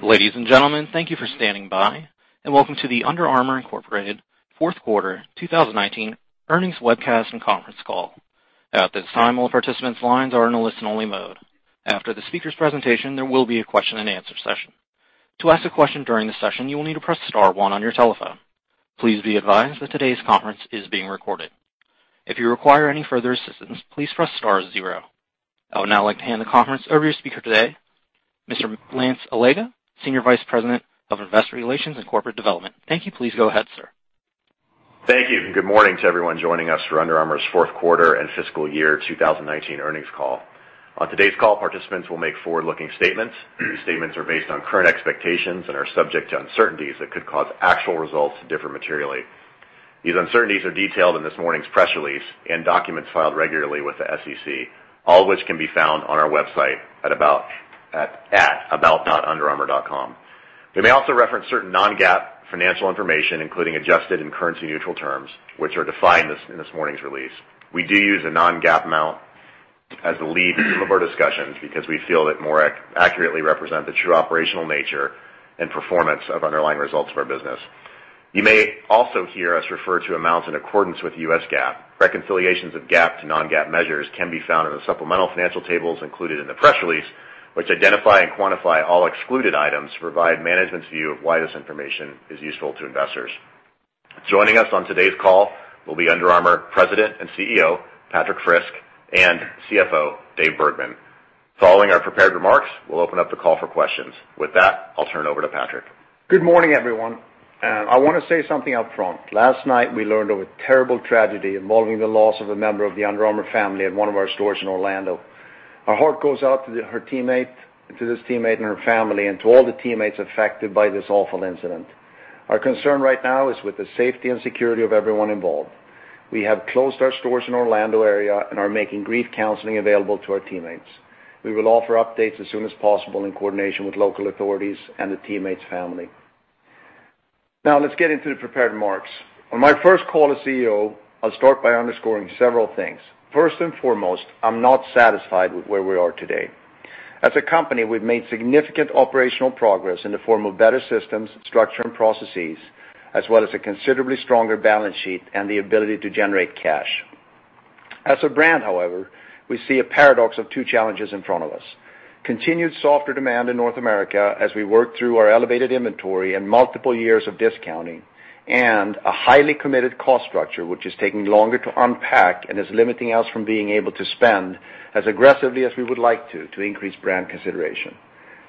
Ladies and gentlemen, thank you for standing by, and welcome to the Under Armour Incorporated Fourth Quarter 2019 Earnings Webcast and Conference Call. At this time, all participants' lines are in a listen-only mode. After the speaker's presentation, there will be a question-and-answer session. To ask a question during the session, you will need to press star one on your telephone. Please be advised that today's conference is being recorded. If you require any further assistance, please press star zero. I would now like to hand the conference over to your speaker today, Mr. Lance Allega, Senior Vice President of Investor Relations and Corporate Development. Thank you. Please go ahead, sir. Thank you. Good morning to everyone joining us for Under Armour's fourth quarter and fiscal year 2019 earnings call. On today's call, participants will make forward-looking statements. These statements are based on current expectations and are subject to uncertainties that could cause actual results to differ materially. These uncertainties are detailed in this morning's press release, and documents filed regularly with the SEC, all which can be found on our website at about.underarmour.com. We may also reference certain non-GAAP financial information, including adjusted and currency-neutral terms, which are defined in this morning's release. We do use a non-GAAP amount as the lead of our discussions because we feel it more accurately represent the true operational nature and performance of underlying results of our business. You may also hear us refer to amounts in accordance with the U.S. GAAP. Reconciliations of GAAP to non-GAAP measures can be found in the supplemental financial tables included in the press release, which identify and quantify all excluded items to provide management's view of why this information is useful to investors. Joining us on today's call will be Under Armour President and CEO, Patrik Frisk, and CFO, Dave Bergman. Following our prepared remarks, we'll open up the call for questions. With that, I'll turn it over to Patrik. Good morning, everyone. I want to say something up front. Last night, we learned of a terrible tragedy involving the loss of a member of the Under Armour family at one of our stores in Orlando. Our heart goes out to this teammate and her family, and to all the teammates affected by this awful incident. Our concern right now is with the safety and security of everyone involved. We have closed our stores in Orlando area and are making grief counseling available to our teammates. We will offer updates as soon as possible in coordination with local authorities and the teammate's family. Let's get into the prepared remarks. On my first call as CEO, I'll start by underscoring several things. First and foremost, I'm not satisfied with where we are today. As a company, we've made significant operational progress in the form of better systems, structure, and processes, as well as a considerably stronger balance sheet and the ability to generate cash. As a brand, however, we see a paradox of two challenges in front of us. Continued softer demand in North America as we work through our elevated inventory and multiple years of discounting, and a highly committed cost structure, which is taking longer to unpack and is limiting us from being able to spend as aggressively as we would like to increase brand consideration.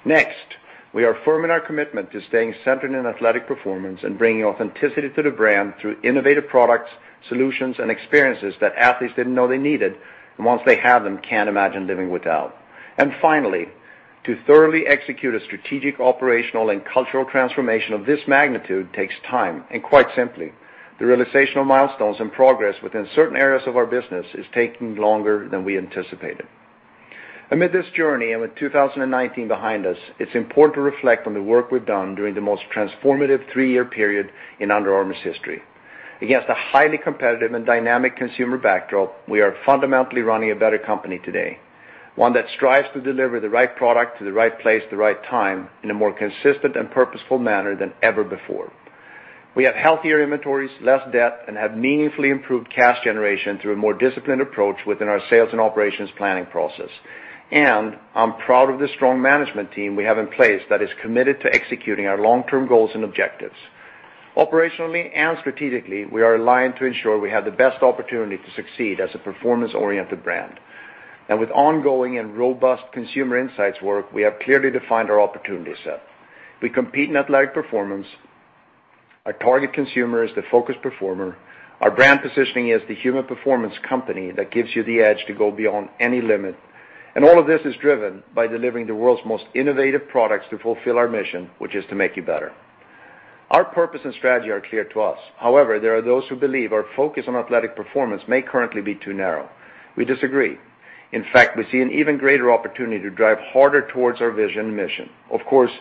Next, we are firm in our commitment to staying centered in athletic performance and bringing authenticity to the brand through innovative products, solutions, and experiences that athletes didn't know they needed, and once they have them, can't imagine living without. Finally, to thoroughly execute a strategic, operational, and cultural transformation of this magnitude takes time, and quite simply, the realization of milestones and progress within certain areas of our business is taking longer than we anticipated. Amid this journey, and with 2019 behind us, it's important to reflect on the work we've done during the most transformative three-year period in Under Armour's history. Against a highly competitive and dynamic consumer backdrop, we are fundamentally running a better company today, one that strives to deliver the right product to the right place at the right time in a more consistent and purposeful manner than ever before. We have healthier inventories, less debt, and have meaningfully improved cash generation through a more disciplined approach within our sales and operations planning process. I'm proud of the strong management team we have in place that is committed to executing our long-term goals and objectives. Operationally and strategically, we are aligned to ensure we have the best opportunity to succeed as a performance-oriented brand. With ongoing and robust consumer insights work, we have clearly defined our opportunity set. We compete in athletic performance. Our target consumer is the focused performer. Our brand positioning is the human performance company that gives you the edge to go beyond any limit. All of this is driven by delivering the world's most innovative products to fulfill our mission, which is to make you better. Our purpose and strategy are clear to us. However, there are those who believe our focus on athletic performance may currently be too narrow. We disagree. In fact, we see an even greater opportunity to drive harder towards our vision and mission. Of course,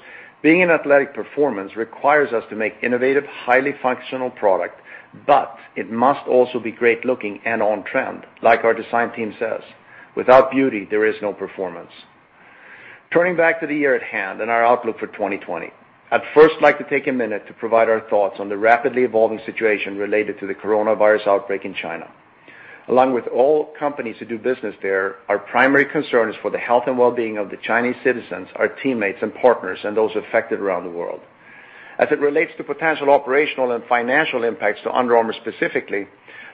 being in athletic performance requires us to make innovative, highly functional product, but it must also be great-looking and on-trend. Like our design team says, "Without beauty, there is no performance." Turning back to the year at hand and our outlook for 2020. I'd first like to take a minute to provide our thoughts on the rapidly evolving situation related to the coronavirus outbreak in China. Along with all companies who do business there, our primary concern is for the health and well-being of the Chinese citizens, our teammates and partners, and those affected around the world. As it relates to potential operational and financial impacts to Under Armour specifically,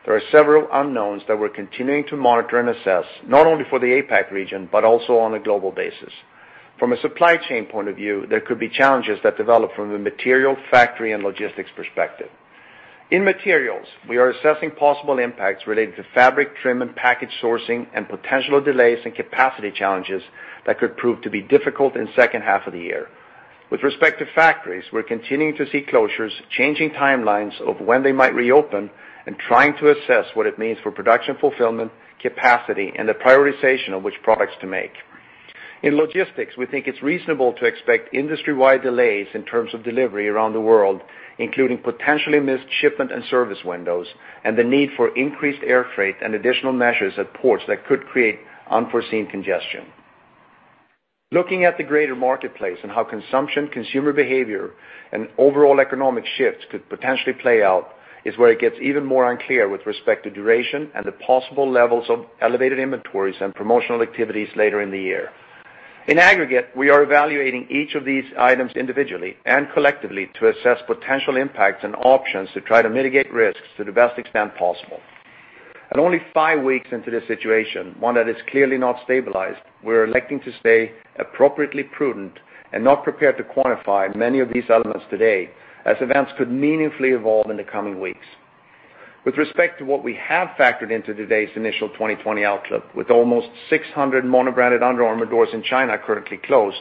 there are several unknowns that we're continuing to monitor and assess, not only for the APAC region, but also on a global basis. From a supply chain point of view, there could be challenges that develop from the material, factory, and logistics perspective. In materials, we are assessing possible impacts related to fabric, trim, and package sourcing and potential delays and capacity challenges that could prove to be difficult in the second half of the year. With respect to factories, we're continuing to see closures, changing timelines of when they might reopen, and trying to assess what it means for production fulfillment, capacity, and the prioritization of which products to make. In logistics, we think it's reasonable to expect industry-wide delays in terms of delivery around the world, including potentially missed shipment and service windows, and the need for increased air freight and additional measures at ports that could create unforeseen congestion. Looking at the greater marketplace and how consumption, consumer behavior, and overall economic shifts could potentially play out is where it gets even more unclear with respect to duration and the possible levels of elevated inventories and promotional activities later in the year. In aggregate, we are evaluating each of these items individually and collectively to assess potential impacts and options to try to mitigate risks to the best extent possible. At only five weeks into this situation, one that is clearly not stabilized, we're electing to stay appropriately prudent and not prepared to quantify many of these elements today, as events could meaningfully evolve in the coming weeks. With respect to what we have factored into today's initial 2020 outlook, with almost 600 mono-branded Under Armour doors in China currently closed,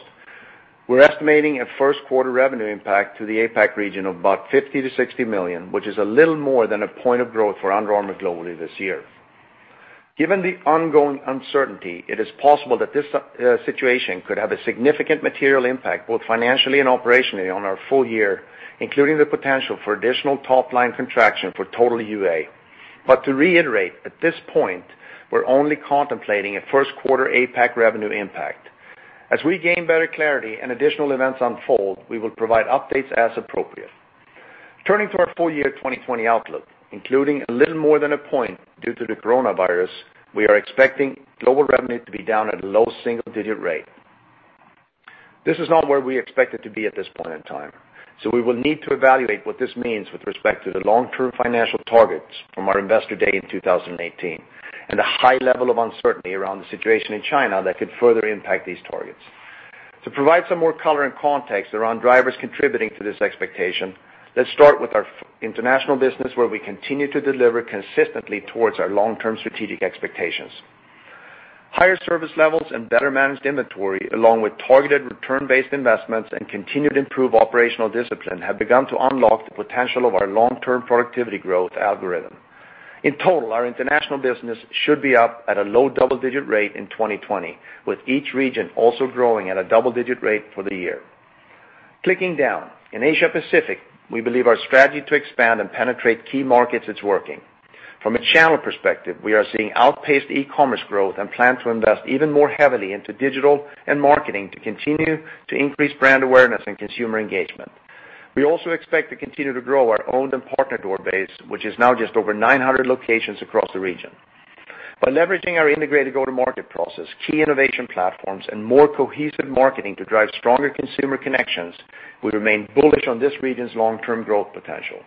we're estimating a first quarter revenue impact to the APAC region of about $50 million-$60 million, which is a little more than a point of growth for Under Armour globally this year. Given the ongoing uncertainty, it is possible that this situation could have a significant material impact, both financially and operationally, on our full year, including the potential for additional top-line contraction for total UA. To reiterate, at this point, we're only contemplating a first quarter APAC revenue impact. As we gain better clarity and additional events unfold, we will provide updates as appropriate. Turning to our full-year 2020 outlook, including a little more than a point due to the coronavirus, we are expecting global revenue to be down at a low single-digit rate. This is not where we expected to be at this point in time, so we will need to evaluate what this means with respect to the long-term financial targets from our investor day in 2018 and the high level of uncertainty around the situation in China that could further impact these targets. To provide some more color and context around drivers contributing to this expectation, let's start with our international business, where we continue to deliver consistently towards our long-term strategic expectations. Higher service levels and better-managed inventory, along with targeted return-based investments and continued improved operational discipline, have begun to unlock the potential of our long-term productivity growth algorithm. In total, our international business should be up at a low double-digit rate in 2020, with each region also growing at a double-digit rate for the year. Clicking down, in Asia Pacific, we believe our strategy to expand and penetrate key markets is working. From a channel perspective, we are seeing outpaced e-commerce growth and plan to invest even more heavily into digital and marketing to continue to increase brand awareness and consumer engagement. We also expect to continue to grow our owned and partner door base, which is now just over 900 locations across the region. By leveraging our integrated go-to-market process, key innovation platforms, and more cohesive marketing to drive stronger consumer connections, we remain bullish on this region's long-term growth potential.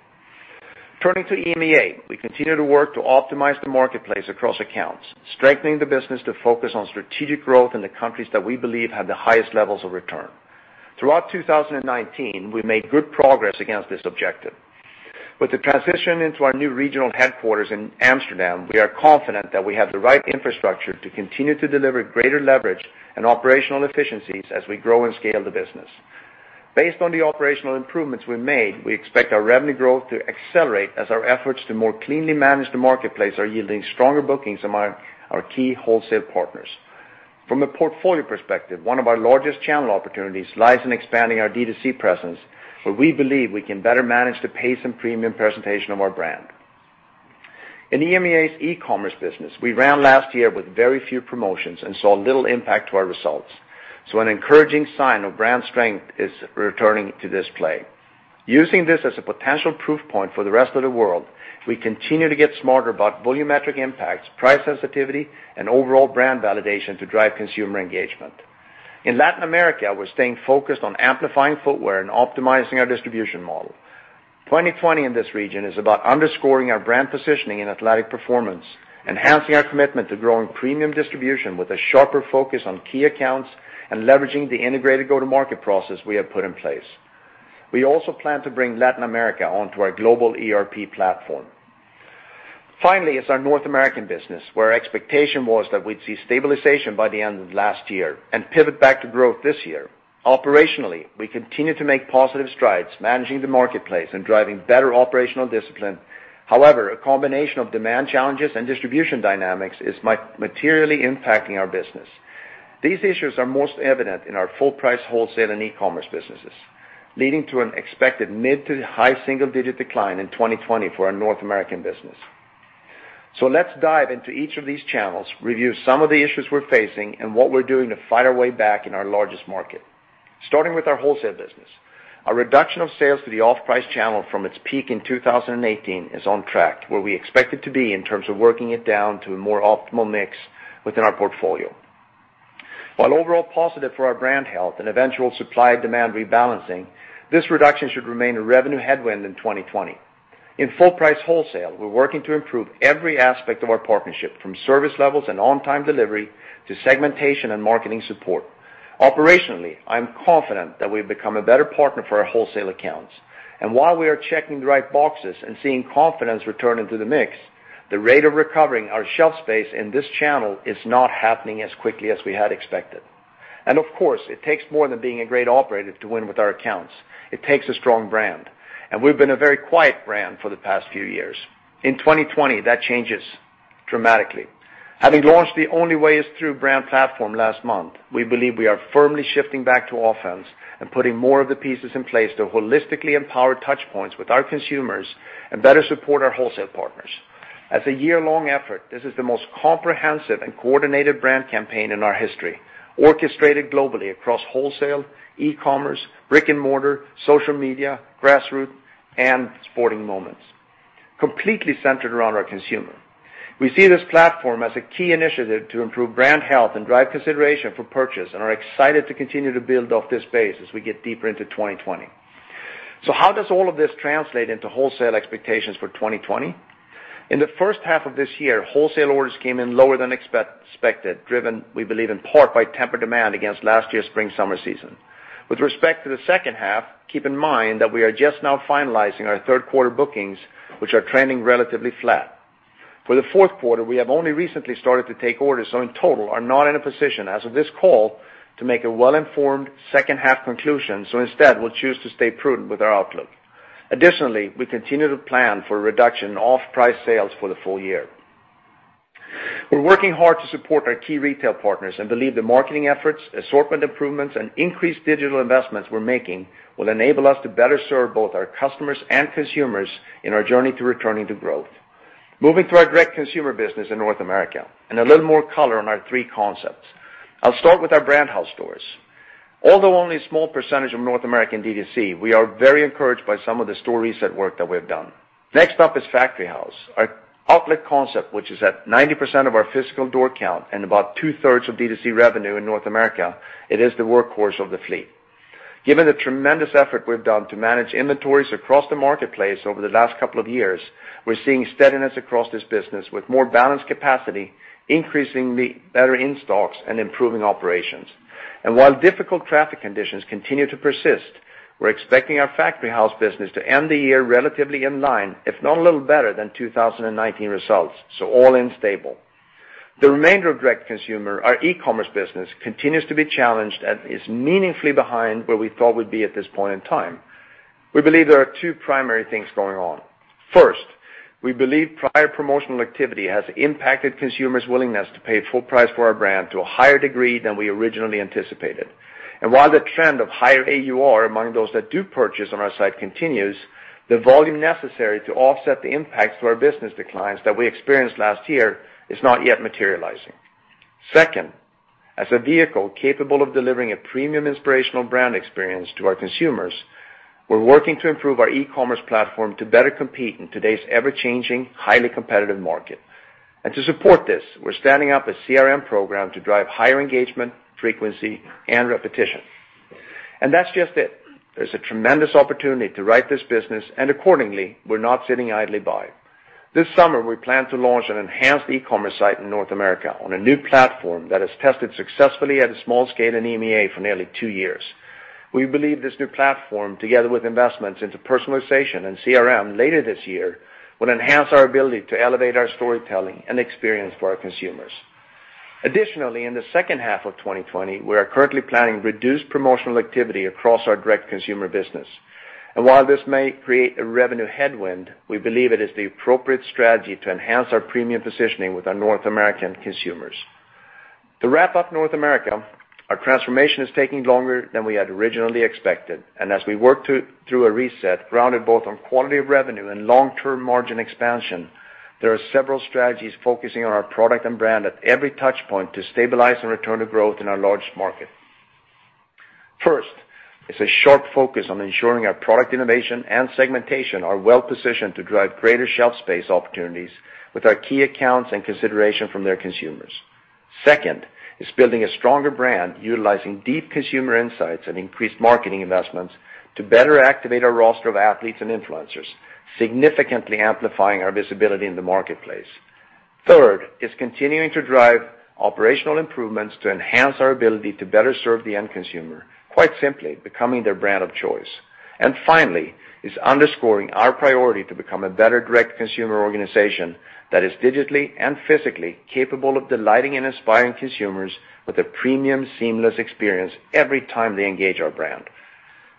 Turning to EMEA, we continue to work to optimize the marketplace across accounts, strengthening the business to focus on strategic growth in the countries that we believe have the highest levels of return. Throughout 2019, we made good progress against this objective. With the transition into our new regional headquarters in Amsterdam, we are confident that we have the right infrastructure to continue to deliver greater leverage and operational efficiencies as we grow and scale the business. Based on the operational improvements we made, we expect our revenue growth to accelerate as our efforts to more cleanly manage the marketplace are yielding stronger bookings among our key wholesale partners. From a portfolio perspective, one of our largest channel opportunities lies in expanding our D2C presence, where we believe we can better manage the pace and premium presentation of our brand. In EMEA's e-commerce business, we ran last year with very few promotions and saw little impact to our results. An encouraging sign of brand strength is returning to this play. Using this as a potential proof point for the rest of the world, we continue to get smarter about volumetric impacts, price sensitivity, and overall brand validation to drive consumer engagement. In Latin America, we're staying focused on amplifying footwear and optimizing our distribution model. 2020 in this region is about underscoring our brand positioning in athletic performance, enhancing our commitment to growing premium distribution with a sharper focus on key accounts, and leveraging the integrated go-to-market process we have put in place. We also plan to bring Latin America onto our global ERP platform. Finally is our North American business, where our expectation was that we'd see stabilization by the end of last year and pivot back to growth this year. Operationally, we continue to make positive strides managing the marketplace and driving better operational discipline. However, a combination of demand challenges and distribution dynamics is materially impacting our business. These issues are most evident in our full-price wholesale and e-commerce businesses, leading to an expected mid to high single-digit decline in 2020 for our North American business. Let's dive into each of these channels, review some of the issues we're facing, and what we're doing to fight our way back in our largest market. Starting with our wholesale business. Our reduction of sales to the off-price channel from its peak in 2018 is on track, where we expect it to be in terms of working it down to a more optimal mix within our portfolio. While overall positive for our brand health and eventual supply-demand rebalancing, this reduction should remain a revenue headwind in 2020. In full-price wholesale, we're working to improve every aspect of our partnership, from service levels and on-time delivery to segmentation and marketing support. Operationally, I am confident that we've become a better partner for our wholesale accounts. While we are checking the right boxes and seeing confidence returning to the mix, the rate of recovering our shelf space in this channel is not happening as quickly as we had expected. Of course, it takes more than being a great operator to win with our accounts. It takes a strong brand, and we've been a very quiet brand for the past few years. In 2020, that changes dramatically. Having launched The Only Way Is Through brand platform last month, we believe we are firmly shifting back to offense and putting more of the pieces in place to holistically empower touchpoints with our consumers and better support our wholesale partners. As a year-long effort, this is the most comprehensive and coordinated brand campaign in our history, orchestrated globally across wholesale, e-commerce, brick and mortar, social media, grassroots, and sporting moments, completely centered around our consumer. We see this platform as a key initiative to improve brand health and drive consideration for purchase and are excited to continue to build off this base as we get deeper into 2020. How does all of this translate into wholesale expectations for 2020? In the first half of this year, wholesale orders came in lower than expected, driven, we believe, in part by tempered demand against last year's spring/summer season. With respect to the second half, keep in mind that we are just now finalizing our third quarter bookings, which are trending relatively flat. For the fourth quarter, we have only recently started to take orders, so in total, are not in a position as of this call to make a well-informed second half conclusion, so instead, we'll choose to stay prudent with our outlook. Additionally, we continue to plan for a reduction in off-price sales for the full year. We're working hard to support our key retail partners and believe the marketing efforts, assortment improvements, and increased digital investments we're making will enable us to better serve both our customers and consumers in our journey to returning to growth. Moving to our direct-to-consumer business in North America, and a little more color on our three concepts. I'll start with our Brand House stores. Although only a small percentage of North American D2C, we are very encouraged by some of the store reset work that we have done. Factory House, our outlet concept, which is at 90% of our physical door count and about 2/3 of D2C revenue in North America. It is the workhorse of the fleet. Given the tremendous effort we've done to manage inventories across the marketplace over the last couple of years, we're seeing steadiness across this business with more balanced capacity, increasingly better in-stocks, and improving operations. While difficult traffic conditions continue to persist, we're expecting our Factory House business to end the year relatively in line, if not a little better than 2019 results. All in stable. The remainder of direct-to-consumer, our e-commerce business, continues to be challenged and is meaningfully behind where we thought we'd be at this point in time. We believe there are two primary things going on. First, we believe prior promotional activity has impacted consumers' willingness to pay full price for our brand to a higher degree than we originally anticipated. While the trend of higher AUR among those that do purchase on our site continues, the volume necessary to offset the impacts to our business declines that we experienced last year is not yet materializing. Second, as a vehicle capable of delivering a premium inspirational brand experience to our consumers, we're working to improve our e-commerce platform to better compete in today's ever-changing, highly competitive market. To support this, we're standing up a CRM program to drive higher engagement, frequency, and repetition. That's just it. There's a tremendous opportunity to right this business, and accordingly, we're not sitting idly by. This summer, we plan to launch an enhanced e-commerce site in North America on a new platform that has tested successfully at a small scale in EMEA for nearly two years. We believe this new platform, together with investments into personalization and CRM later this year, will enhance our ability to elevate our storytelling and experience for our consumers. Additionally, in the second half of 2020, we are currently planning reduced promotional activity across our direct-to-consumer business. While this may create a revenue headwind, we believe it is the appropriate strategy to enhance our premium positioning with our North American consumers. To wrap up North America, our transformation is taking longer than we had originally expected, and as we work through a reset grounded both on quality of revenue and long-term margin expansion, there are several strategies focusing on our product and brand at every touchpoint to stabilize and return to growth in our largest market. First is a sharp focus on ensuring our product innovation and segmentation are well-positioned to drive greater shelf space opportunities with our key accounts and consideration from their consumers. Second is building a stronger brand utilizing deep consumer insights and increased marketing investments to better activate our roster of athletes and influencers, significantly amplifying our visibility in the marketplace. Third is continuing to drive operational improvements to enhance our ability to better serve the end consumer, quite simply, becoming their brand of choice. Finally is underscoring our priority to become a better direct-to-consumer organization that is digitally and physically capable of delighting and inspiring consumers with a premium, seamless experience every time they engage our brand.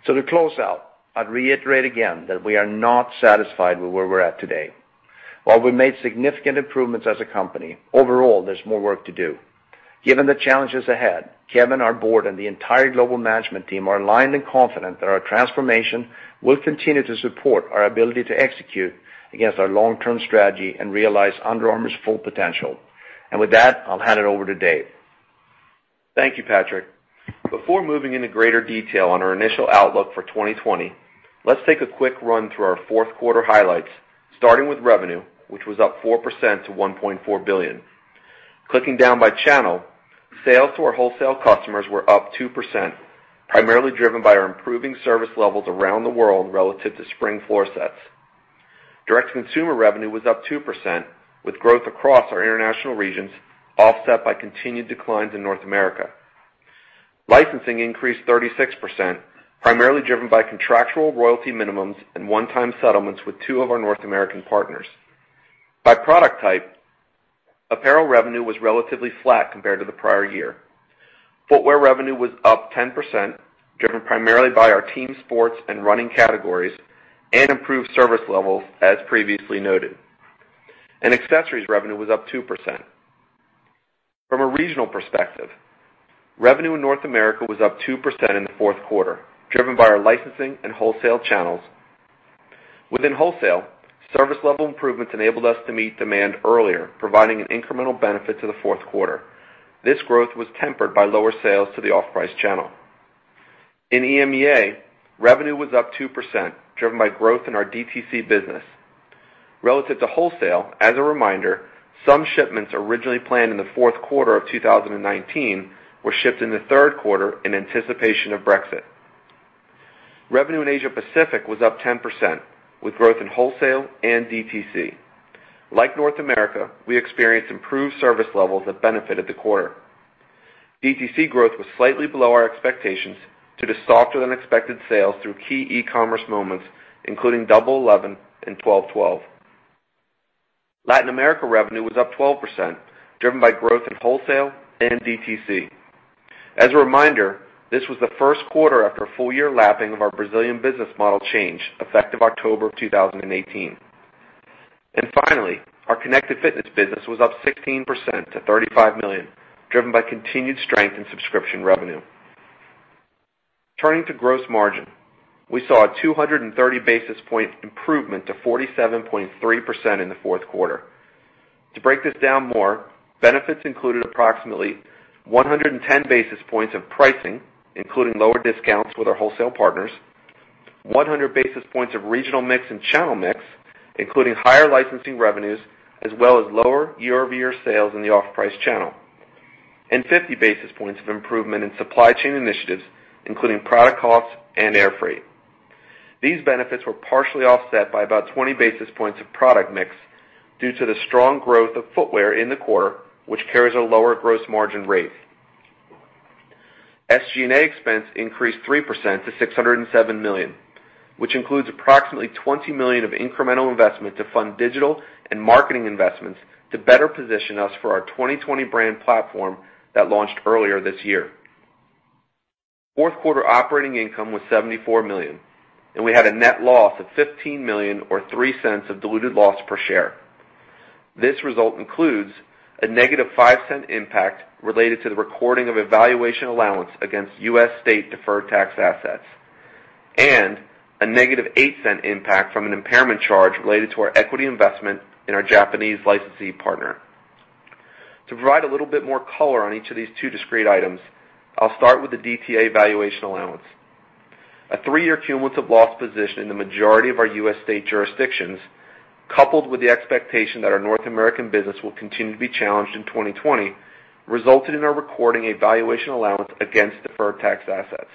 To close out, I'd reiterate again that we are not satisfied with where we're at today. While we've made significant improvements as a company, overall, there's more work to do. Given the challenges ahead, Kevin, our board, and the entire global management team are aligned and confident that our transformation will continue to support our ability to execute against our long-term strategy and realize Under Armour's full potential. With that, I'll hand it over to Dave. Thank you, Patrik. Before moving into greater detail on our initial outlook for 2020, let's take a quick run through our fourth quarter highlights, starting with revenue, which was up 4% to $1.4 billion. Clicking down by channel, sales to our wholesale customers were up 2%, primarily driven by our improving service levels around the world relative to spring floor sets. Direct-to-consumer revenue was up 2%, with growth across our international regions offset by continued declines in North America. Licensing increased 36%, primarily driven by contractual royalty minimums and one-time settlements with two of our North American partners. By product type, apparel revenue was relatively flat compared to the prior year. Footwear revenue was up 10%, driven primarily by our team sports and running categories and improved service levels, as previously noted. Accessories revenue was up 2%. From a regional perspective, revenue in North America was up 2% in the fourth quarter, driven by our licensing and wholesale channels. Within wholesale, service level improvements enabled us to meet demand earlier, providing an incremental benefit to the fourth quarter. This growth was tempered by lower sales to the off-price channel. In EMEA, revenue was up 2%, driven by growth in our DTC business. Relative to wholesale, as a reminder, some shipments originally planned in the fourth quarter of 2019 were shipped in the third quarter in anticipation of Brexit. Revenue in Asia Pacific was up 10%, with growth in wholesale and DTC. Like North America, we experienced improved service levels that benefited the quarter. DTC growth was slightly below our expectations due to softer than expected sales through key e-commerce moments, including Double 11 and Double 12. Latin America revenue was up 12%, driven by growth in wholesale and DTC. As a reminder, this was the first quarter after a full year lapping of our Brazilian business model change effective October of 2018. Finally, our Connected Fitness business was up 16% to $35 million, driven by continued strength in subscription revenue. Turning to gross margin, we saw a 230 basis point improvement to 47.3% in the fourth quarter. Benefits included approximately 110 basis points of pricing, including lower discounts with our wholesale partners, 100 basis points of regional mix and channel mix, including higher licensing revenues, as well as lower year-over-year sales in the off-price channel, and 50 basis points of improvement in supply chain initiatives, including product costs and airfreight. These benefits were partially offset by about 20 basis points of product mix due to the strong growth of footwear in the quarter, which carries a lower gross margin rate. SG&A expense increased 3% to $607 million, which includes approximately $20 million of incremental investment to fund digital and marketing investments to better position us for our 2020 brand platform that launched earlier this year. Fourth quarter operating income was $74 million. We had a net loss of $15 million or $0.03 of diluted loss per share. This result includes a -$0.05 impact related to the recording of a valuation allowance against U.S. state deferred tax assets and a -$0.08 impact from an impairment charge related to our equity investment in our Japanese licensee partner. To provide a little bit more color on each of these two discrete items, I'll start with the DTA valuation allowance. A three-year cumulative loss position in the majority of our U.S. state jurisdictions, coupled with the expectation that our North American business will continue to be challenged in 2020, resulted in our recording a valuation allowance against deferred tax assets,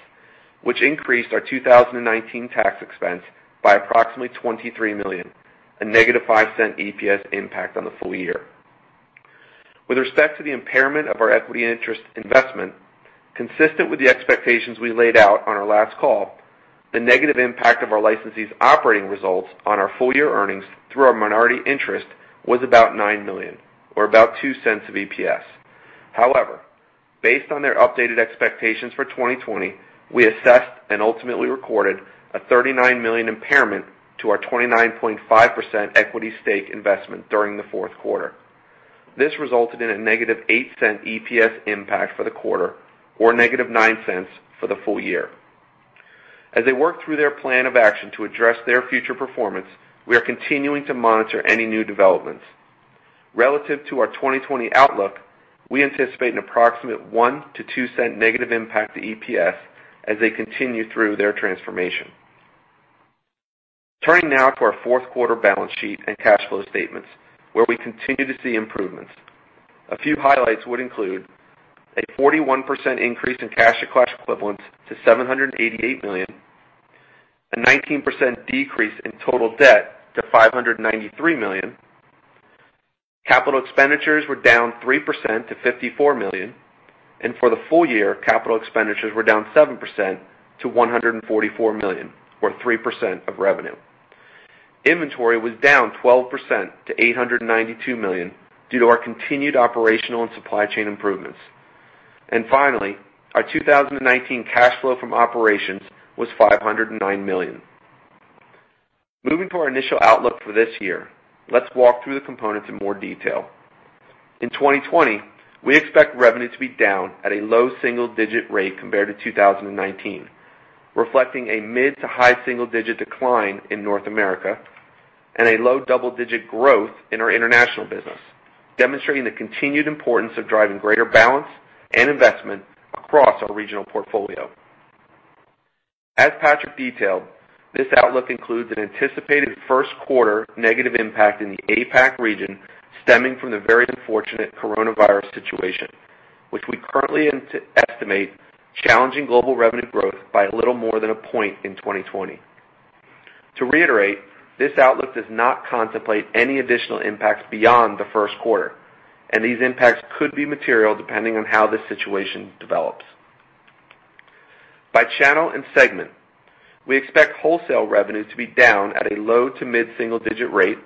which increased our 2019 tax expense by approximately $23 million, a -$0.05 EPS impact on the full year. With respect to the impairment of our equity interest investment, consistent with the expectations we laid out on our last call, the negative impact of our licensee's operating results on our full year earnings through our minority interest was about $9 million or about $0.02 of EPS. However, based on their updated expectations for 2020, we assessed and ultimately recorded a $39 million impairment to our 29.5% equity stake investment during the fourth quarter. This resulted in a -$0.08 EPS impact for the quarter, or -$0.09 for the full year. As they work through their plan of action to address their future performance, we are continuing to monitor any new developments. Relative to our 2020 outlook, we anticipate an approximate $0.01-$0.02 negative impact to EPS as they continue through their transformation. Turning now to our fourth quarter balance sheet and cash flow statements, where we continue to see improvements. A few highlights would include a 41% increase in cash equivalents to $788 million, a 19% decrease in total debt to $593 million. Capital expenditures were down 3% to $54 million, and for the full year, capital expenditures were down 7% to $144 million, or 3% of revenue. Inventory was down 12% to $892 million due to our continued operational and supply chain improvements. Finally, our 2019 cash flow from operations was $509 million. Moving to our initial outlook for this year. Let's walk through the components in more detail. In 2020, we expect revenue to be down at a low single-digit rate compared to 2019, reflecting a mid-to-high single-digit decline in North America and a low double-digit growth in our international business, demonstrating the continued importance of driving greater balance and investment across our regional portfolio. As Patrik detailed, this outlook includes an anticipated first quarter negative impact in the APAC region stemming from the very unfortunate coronavirus situation, which we currently estimate challenging global revenue growth by a little more than 1 point in 2020. To reiterate, this outlook does not contemplate any additional impacts beyond the first quarter, and these impacts could be material depending on how this situation develops. By channel and segment, we expect wholesale revenues to be down at a low to mid single-digit rate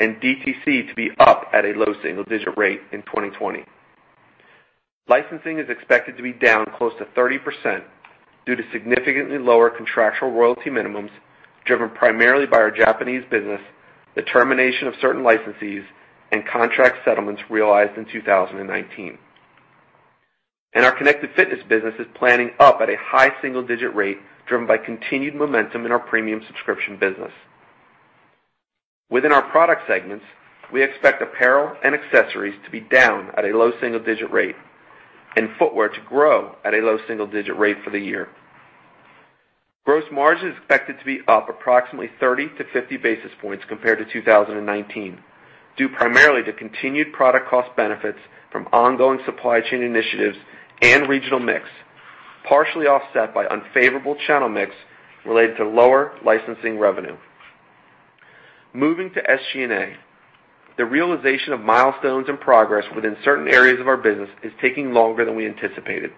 and DTC to be up at a low single-digit rate in 2020. Licensing is expected to be down close to 30%. Due to significantly lower contractual royalty minimums driven primarily by our Japanese business, the termination of certain licensees, and contract settlements realized in 2019. Our Connected Fitness business is planning up at a high single-digit rate, driven by continued momentum in our premium subscription business. Within our product segments, we expect apparel and accessories to be down at a low single-digit rate, and footwear to grow at a low single-digit rate for the year. Gross margin is expected to be up approximately 30-50 basis points compared to 2019, due primarily to continued product cost benefits from ongoing supply chain initiatives and regional mix, partially offset by unfavorable channel mix related to lower licensing revenue. Moving to SG&A. The realization of milestones and progress within certain areas of our business is taking longer than we anticipated.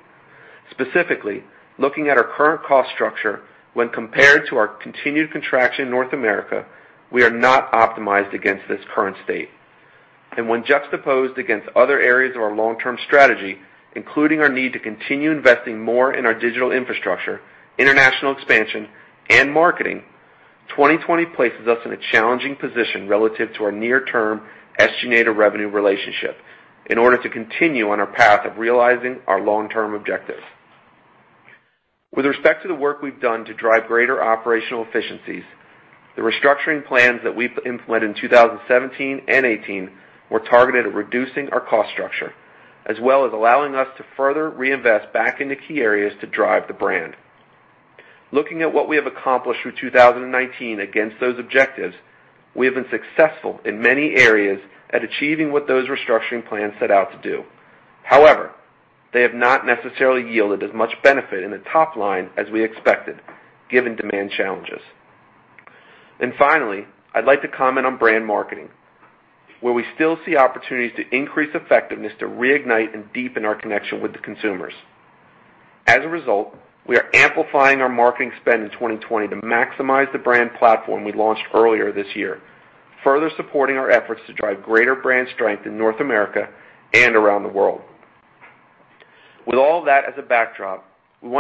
Specifically, looking at our current cost structure when compared to our continued contraction in North America, we are not optimized against this current state. When juxtaposed against other areas of our long-term strategy, including our need to continue investing more in our digital infrastructure, international expansion, and marketing, 2020 places us in a challenging position relative to our near-term SG&A to revenue relationship in order to continue on our path of realizing our long-term objectives. With respect to the work we've done to drive greater operational efficiencies, the restructuring plans that we implemented in 2017 and 2018 were targeted at reducing our cost structure, as well as allowing us to further reinvest back into key areas to drive the brand. Looking at what we have accomplished through 2019 against those objectives, we have been successful in many areas at achieving what those restructuring plans set out to do. However, they have not necessarily yielded as much benefit in the top line as we expected, given demand challenges. Finally, I'd like to comment on brand marketing, where we still see opportunities to increase effectiveness to reignite and deepen our connection with the consumers. We are amplifying our marketing spend in 2020 to maximize the brand platform we launched earlier this year, further supporting our efforts to drive greater brand strength in North America and around the world. We want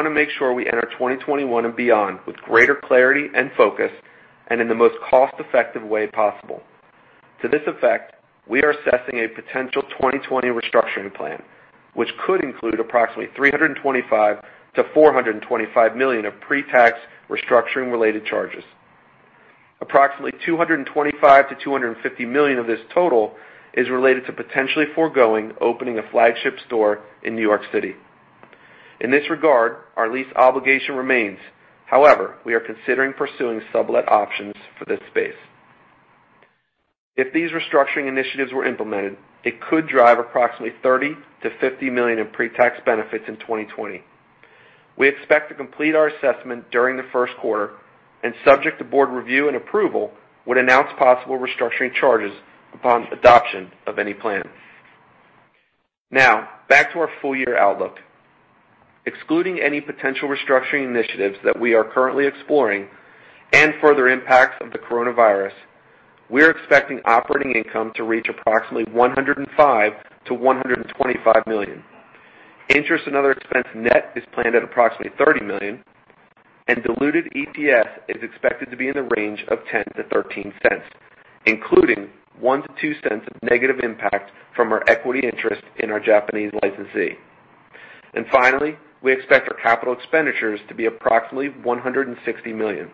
to make sure we enter 2021 and beyond with greater clarity and focus and in the most cost-effective way possible. We are assessing a potential 2020 restructuring plan, which could include approximately $325 million-$425 million of pre-tax restructuring related charges. Approximately $225 million-$250 million of this total is related to potentially foregoing opening a flagship store in New York City. Our lease obligation remains. However, we are considering pursuing sublet options for this space. If these restructuring initiatives were implemented, it could drive approximately $30 million-$50 million in pre-tax benefits in 2020. We expect to complete our assessment during the first quarter, and subject to board review and approval, would announce possible restructuring charges upon adoption of any plan. Now, back to our full-year outlook. Excluding any potential restructuring initiatives that we are currently exploring and further impacts of the coronavirus, we're expecting operating income to reach approximately $105 million-$125 million. Interest and other expense net is planned at approximately $30 million, and diluted EPS is expected to be in the range of $0.10-$0.13, including $0.01-$0.02 of negative impact from our equity interest in our Japanese licensee. Finally, we expect our capital expenditures to be approximately $160 million.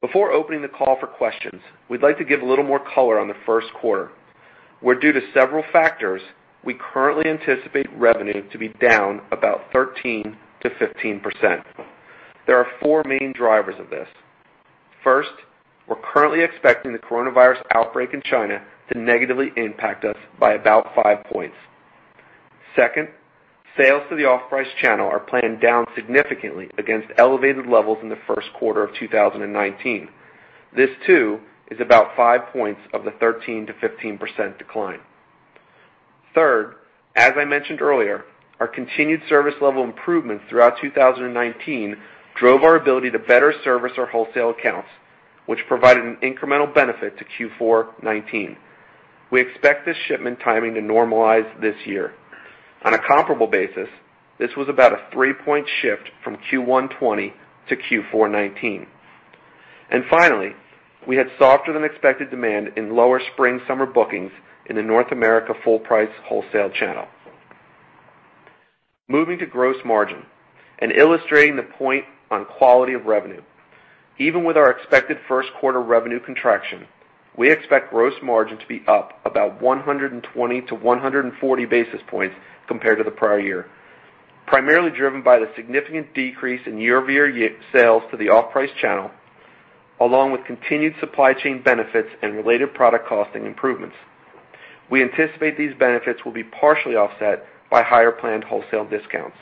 Before opening the call for questions, we'd like to give a little more color on the first quarter, where due to several factors, we currently anticipate revenue to be down about 13%-15%. There are four main drivers of this. First, we're currently expecting the coronavirus outbreak in China to negatively impact us by about five points. Second, sales to the off-price channel are planned down significantly against elevated levels in the first quarter of 2019. This too is about five points of the 13%-15% decline. Third, as I mentioned earlier, our continued service level improvements throughout 2019 drove our ability to better service our wholesale accounts, which provided an incremental benefit to Q4 2019. We expect this shipment timing to normalize this year. On a comparable basis, this was about a three-point shift from Q1 2020 to Q4 2019. Finally, we had softer than expected demand in lower spring summer bookings in the North America full price wholesale channel. Moving to gross margin and illustrating the point on quality of revenue. Even with our expected first quarter revenue contraction, we expect gross margin to be up about 120 to 140 basis points compared to the prior year, primarily driven by the significant decrease in year-over-year sales to the off-price channel, along with continued supply chain benefits and related product costing improvements. We anticipate these benefits will be partially offset by higher planned wholesale discounts.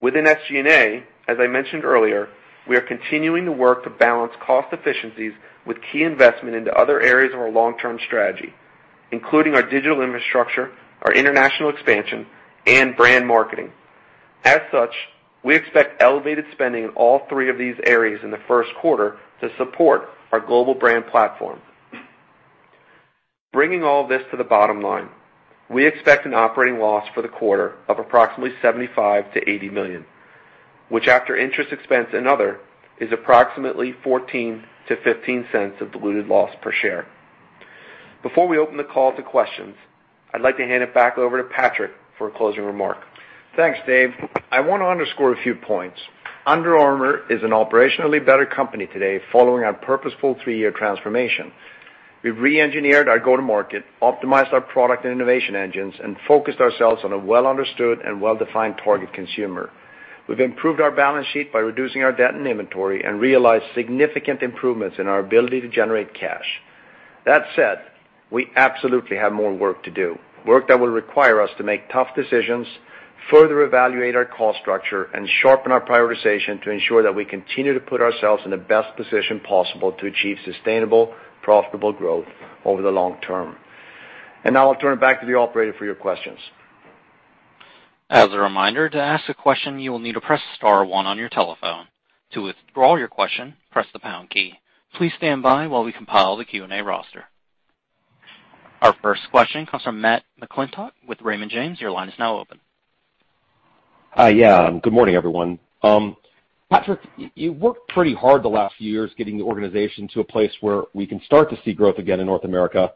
Within SG&A, as I mentioned earlier, we are continuing the work to balance cost efficiencies with key investment into other areas of our long-term strategy, including our digital infrastructure, our international expansion, and brand marketing. As such, we expect elevated spending in all three of these areas in the first quarter to support our global brand platform. Bringing all this to the bottom line, we expect an operating loss for the quarter of approximately $75 million-$80 million, which after interest expense and other, is approximately $0.14-$0.15 of diluted loss per share. Before we open the call to questions, I'd like to hand it back over to Patrik for a closing remark. Thanks, Dave. I want to underscore a few points. Under Armour is an operationally better company today following our purposeful three-year transformation. We've re-engineered our go-to-market, optimized our product and innovation engines, and focused ourselves on a well-understood and well-defined target consumer. We've improved our balance sheet by reducing our debt and inventory and realized significant improvements in our ability to generate cash. That said, we absolutely have more work to do, work that will require us to make tough decisions, further evaluate our cost structure, and sharpen our prioritization to ensure that we continue to put ourselves in the best position possible to achieve sustainable, profitable growth over the long-term. Now I'll turn it back to the operator for your questions. As a reminder, to ask a question, you will need to press star one on your telephone. To withdraw your question, press the pound key. Please stand by while we compile the Q&A roster. Our first question comes from Matt McClintock with Raymond James. Your line is now open. Hi. Yeah. Good morning, everyone. Patrik, you worked pretty hard the last few years getting the organization to a place where we can start to see growth again in North America,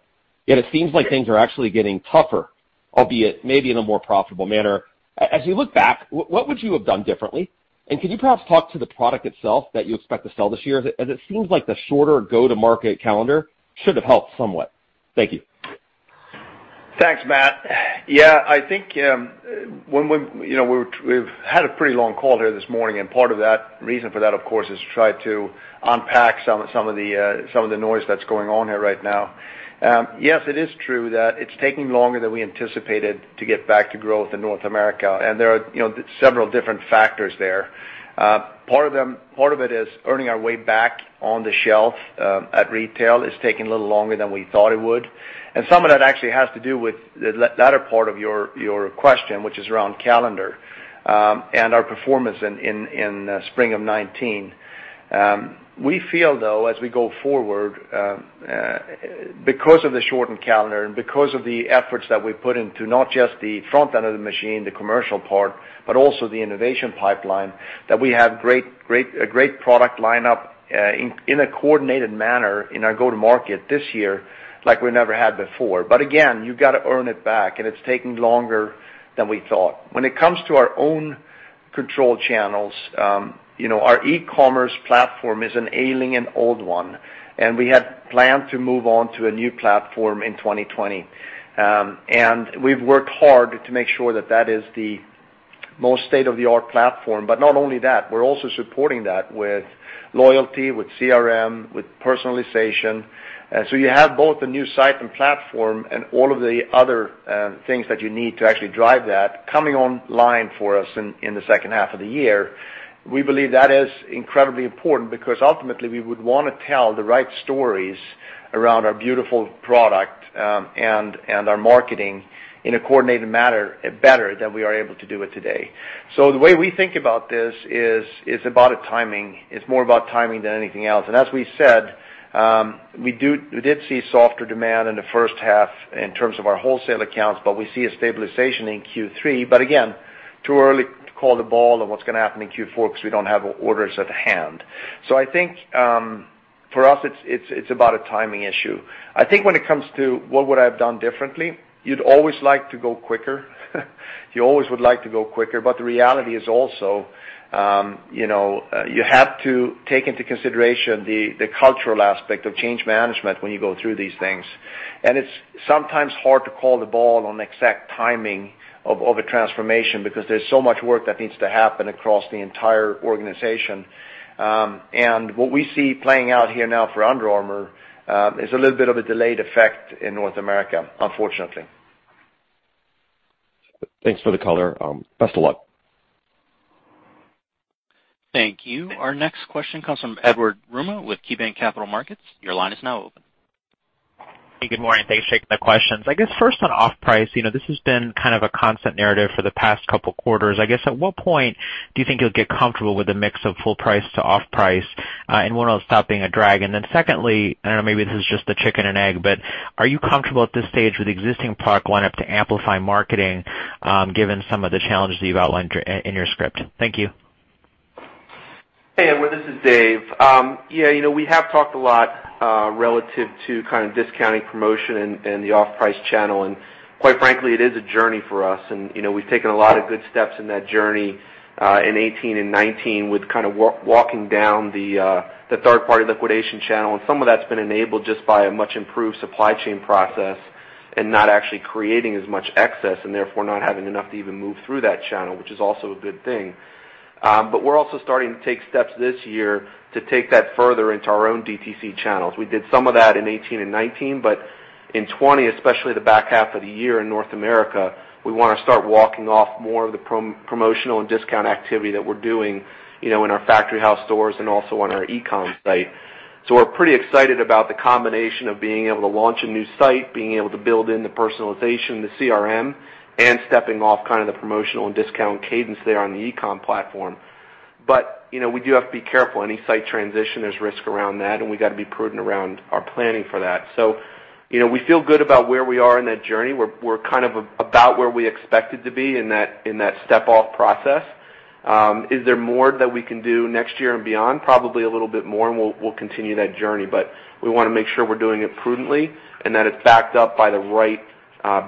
yet it seems like things are actually getting tougher, albeit maybe in a more profitable manner. As you look back, what would you have done differently? Could you perhaps talk to the product itself that you expect to sell this year? As it seems like the shorter go-to-market calendar should have helped somewhat. Thank you. Thanks, Matt. Yeah, we've had a pretty long call here this morning, and part of that reason for that, of course, is to try to unpack some of the noise that's going on here right now. Yes, it is true that it's taking longer than we anticipated to get back to growth in North America, and there are several different factors there. Part of it is earning our way back on the shelf at retail is taking a little longer than we thought it would. Some of that actually has to do with the latter part of your question, which is around calendar, and our performance in spring of 2019. We feel, though, as we go forward, because of the shortened calendar and because of the efforts that we've put into not just the front end of the machine, the commercial part, but also the innovation pipeline, that we have a great product line-up in a coordinated manner in our go-to-market this year like we never had before. Again, you got to earn it back, and it's taking longer than we thought. When it comes to our own control channels, our e-commerce platform is an ailing and old one, and we had planned to move on to a new platform in 2020. We've worked hard to make sure that is the most state-of-the-art platform. Not only that, we're also supporting that with loyalty, with CRM, with personalization. You have both the new site and platform and all of the other things that you need to actually drive that coming online for us in the second half of the year. We believe that is incredibly important because ultimately we would want to tell the right stories around our beautiful product, and our marketing in a coordinated manner better than we are able to do it today. The way we think about this is it's about timing. It's more about timing than anything else. As we said, we did see softer demand in the first half in terms of our wholesale accounts, but we see a stabilization in Q3. Again, too early to call the ball on what's going to happen in Q4 because we don't have orders at hand. I think for us, it's about a timing issue. I think when it comes to what would I have done differently, you'd always like to go quicker. You always would like to go quicker, but the reality is also, you have to take into consideration the cultural aspect of change management when you go through these things. It's sometimes hard to call the ball on exact timing of a transformation because there's so much work that needs to happen across the entire organization. What we see playing out here now for Under Armour is a little bit of a delayed effect in North America, unfortunately. Thanks for the color. Best of luck. Thank you. Our next question comes from Edward Yruma with KeyBanc Capital Markets. Your line is now open. Hey, good morning. Thanks for taking the questions. I guess first on off-price, this has been kind of a constant narrative for the past couple quarters. I guess at what point do you think you'll get comfortable with the mix of full price to off-price, and when it will stop being a drag? Secondly, and maybe this is just the chicken and egg, but are you comfortable at this stage with the existing product line-up to amplify marketing given some of the challenges that you've outlined in your script? Thank you. Hey, Edward, this is Dave. Yeah, we have talked a lot relative to kind of discounting promotion and the off-price channel, quite frankly, it is a journey for us. We've taken a lot of good steps in that journey, in 2018 and 2019 with kind of walking down the third-party liquidation channel, and some of that's been enabled just by a much improved supply chain process and not actually creating as much excess, and therefore not having enough to even move through that channel, which is also a good thing. We're also starting to take steps this year to take that further into our own DTC channels. We did some of that in 2018 and 2019. In 2020, especially the back half of the year in North America, we want to start walking off more of the promotional and discount activity that we're doing in our Factory House stores and also on our e-com site. We're pretty excited about the combination of being able to launch a new site, being able to build in the personalization, the CRM, and stepping off kind of the promotional and discount cadence there on the e-com platform. We do have to be careful. Any site transition, there's risk around that, and we've got to be prudent around our planning for that. We feel good about where we are in that journey. We're kind of about where we expected to be in that step-off process. Is there more that we can do next year and beyond? Probably a little bit more, and we'll continue that journey. We want to make sure we're doing it prudently and that it's backed up by the right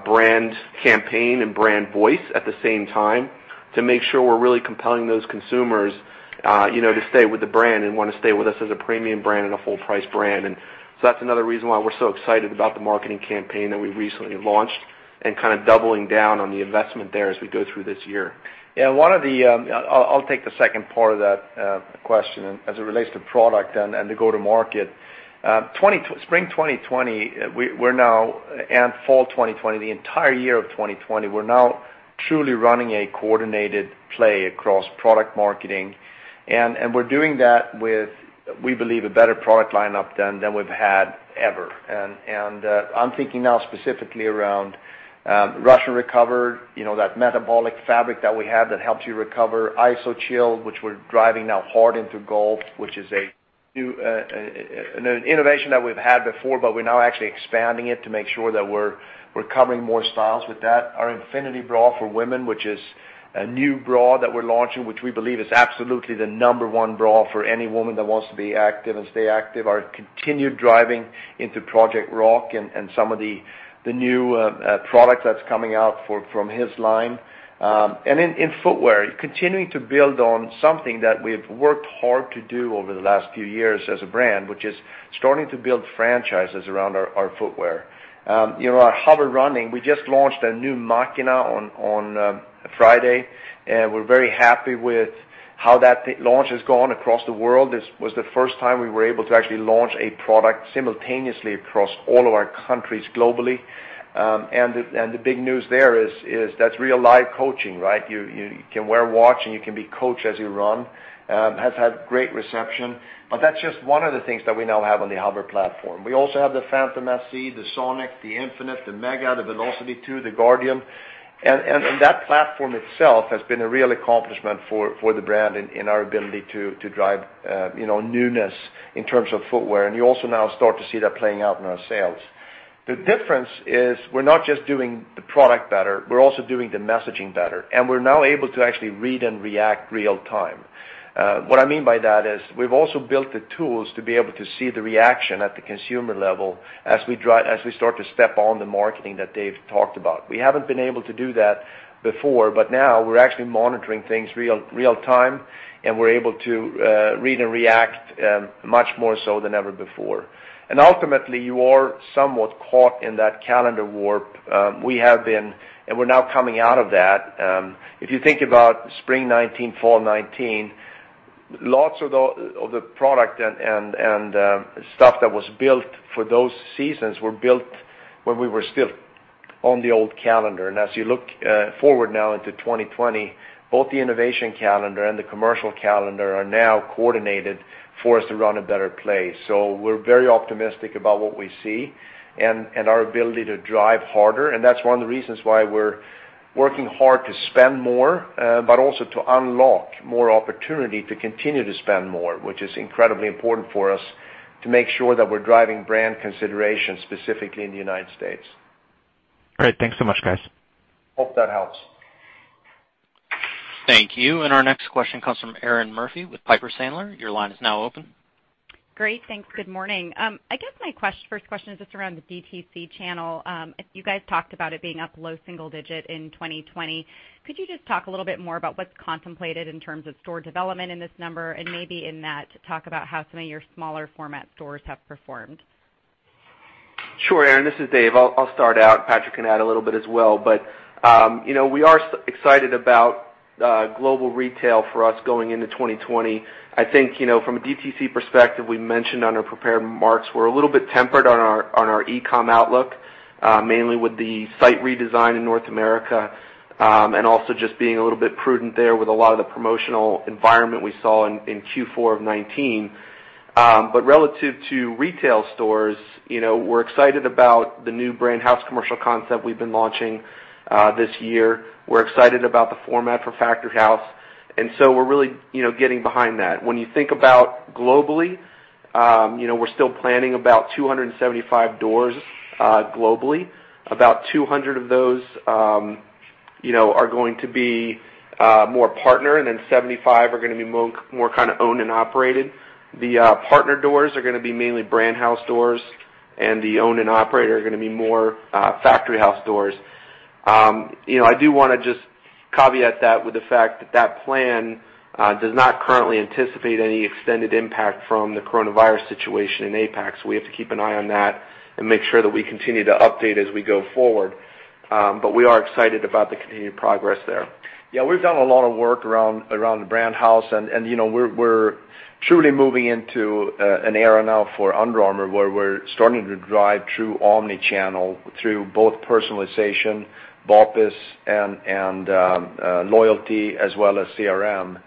brand campaign and brand voice at the same time to make sure we're really compelling those consumers to stay with the brand and want to stay with us as a premium brand and a full-price brand. That's another reason why we're so excited about the marketing campaign that we recently launched and kind of doubling down on the investment there as we go through this year. Yeah. I'll take the second part of that question as it relates to product and the go-to-market. Spring 2020, fall 2020, the entire year of 2020, we're now truly running a coordinated play across product marketing, and we're doing that with, we believe, a better product lineup than we've had ever. I'm thinking now specifically around Rush and Recover, that metabolic fabric that we have that helps you recover. Iso-Chill, which we're driving now hard into golf, which is an innovation that we've had before, but we're now actually expanding it to make sure that we're covering more styles with that. Our Infinity Bra for women, which is a new bra that we're launching, which we believe is absolutely the number one bra for any woman that wants to be active and stay active. Our continued driving into Project Rock and some of the new product that's coming out from his line. In footwear, continuing to build on something that we've worked hard to do over the last few years as a brand, which is starting to build franchises around our footwear. Our HOVR Running, we just launched a new Machina on Friday, and we're very happy with how that launch has gone across the world. This was the first time we were able to actually launch a product simultaneously across all of our countries globally. The big news there is that's real live coaching, right? You can wear a watch, and you can be coached as you run. It has had great reception. That's just one of the things that we now have on the HOVR platform. We also have the Phantom RN, the Sonic, the Infinite, the Mega, the Velociti 2, the Guardian. That platform itself has been a real accomplishment for the brand in our ability to drive newness in terms of footwear. You also now start to see that playing out in our sales. The difference is we're not just doing the product better, we're also doing the messaging better, and we're now able to actually read and react real time. What I mean by that is we've also built the tools to be able to see the reaction at the consumer level as we start to step on the marketing that Dave talked about. We haven't been able to do that before, but now we're actually monitoring things real time, and we're able to read and react much more so than ever before. Ultimately, you are somewhat caught in that calendar warp. We have been, and we're now coming out of that. If you think about spring 2019, fall 2019, lots of the product and stuff that was built for those seasons were built when we were still on the old calendar. As you look forward now into 2020, both the innovation calendar and the commercial calendar are now coordinated for us to run a better play. We're very optimistic about what we see and our ability to drive harder, and that's one of the reasons why we're working hard to spend more, but also to unlock more opportunity to continue to spend more, which is incredibly important for us to make sure that we're driving brand consideration, specifically in the U.S. Great. Thanks so much, guys. Hope that helps. Thank you. Our next question comes from Erinn Murphy with Piper Sandler. Your line is now open. Great. Thanks. Good morning. I guess my first question is just around the DTC channel. You guys talked about it being up low single digit in 2020. Could you just talk a little bit more about what's contemplated in terms of store development in this number and maybe in that, talk about how some of your smaller format stores have performed? Sure, Erinn, this is Dave. I'll start out. Patrik can add a little bit as well. We are excited about global retail for us going into 2020. I think from a DTC perspective, we mentioned on our prepared remarks, we're a little bit tempered on our e-com outlook, mainly with the site redesign in North America, and also just being a little bit prudent there with a lot of the promotional environment we saw in Q4 of 2019. Relative to retail stores, we're excited about the new Brand House commercial concept we've been launching this year. We're excited about the format for Factory House, we're really getting behind that. When you think about globally, we're still planning about 275 doors globally. About 200 of those are going to be more partner, 75 are going to be more kind of owned and operated. The partner doors are going to be mainly Brand House doors, and the owned and operated are going to be more Factory House doors. I do want to just caveat that with the fact that that plan does not currently anticipate any extended impact from the coronavirus situation in APAC, so we have to keep an eye on that and make sure that we continue to update as we go forward. We are excited about the continued progress there. Yeah, we've done a lot of work around the Brand House, we're truly moving into an era now for Under Armour where we're starting to drive true omni-channel through both personalization, BOPIS, and loyalty as well as CRM.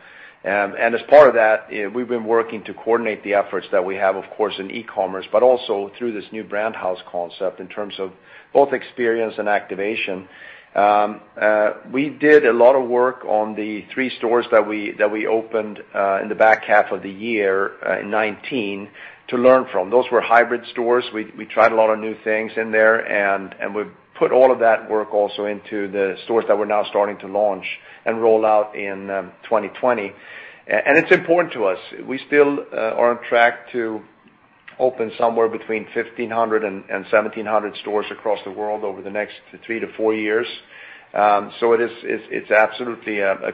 As part of that, we've been working to coordinate the efforts that we have, of course, in e-commerce, but also through this new Brand House concept in terms of both experience and activation. We did a lot of work on the three stores that we opened in the back half of the year in 2019 to learn from. Those were hybrid stores. We tried a lot of new things in there, we've put all of that work also into the stores that we're now starting to launch and roll out in 2020. It's important to us. We still are on track to open somewhere between 1,500 and 1,700 stores across the world over the next three to four years. It's absolutely a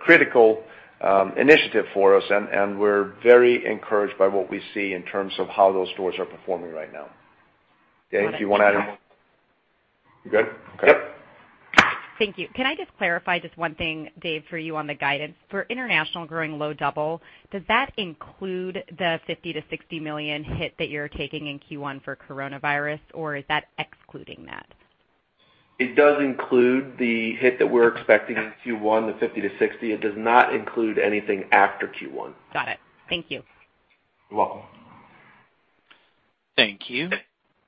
critical initiative for us, and we're very encouraged by what we see in terms of how those stores are performing right now. Dave, do you want to add any? You good? Okay. Thank you. Can I just clarify just one thing, Dave, for you on the guidance? For international growing low double, does that include the $50 million-$60 million hit that you're taking in Q1 for coronavirus, or is that excluding that? It does include the hit that we're expecting in Q1, the $50-$60. It does not include anything after Q1. Got it. Thank you. You're welcome. Thank you.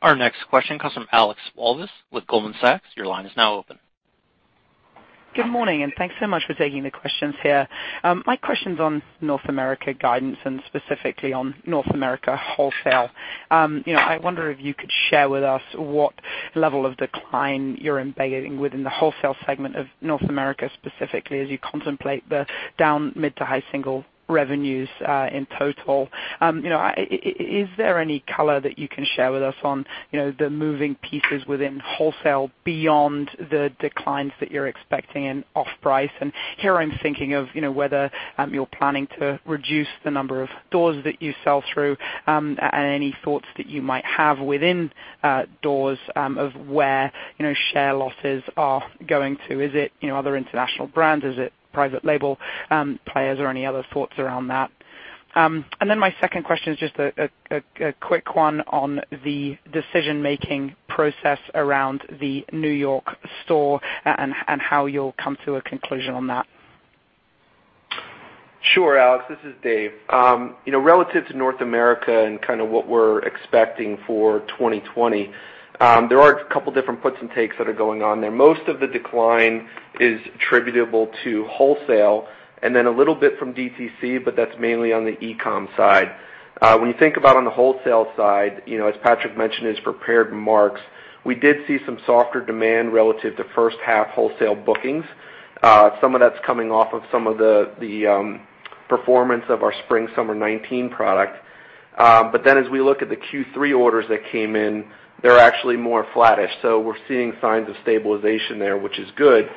Our next question comes from Alexandra Walvis with Goldman Sachs. Your line is now open. Good morning, thanks so much for taking the questions here. My question's on North America guidance and specifically on North America wholesale. I wonder if you could share with us what level of decline you're embedding within the wholesale segment of North America, specifically as you contemplate the down mid to high single revenues, in total. Is there any color that you can share with us on the moving pieces within wholesale beyond the declines that you're expecting in off-price? Here, I'm thinking of whether you're planning to reduce the number of doors that you sell through, and any thoughts that you might have within doors, of where share losses are going to. Is it other international brands? Is it private label players? Any other thoughts around that. My second question is just a quick one on the decision-making process around the New York store and how you'll come to a conclusion on that. Sure, Alex. This is Dave. Relative to North America and what we're expecting for 2020, there are a couple of different puts and takes that are going on there. Most of the decline is attributable to wholesale, and then a little bit from DTC, but that's mainly on the e-com side. When you think about on the wholesale side, as Patrik mentioned in his prepared remarks, we did see some softer demand relative to first half wholesale bookings. Some of that's coming off of some of the performance of our spring-summer 2019 product. As we look at the Q3 orders that came in, they're actually more flattish. We're seeing signs of stabilization there, which is good.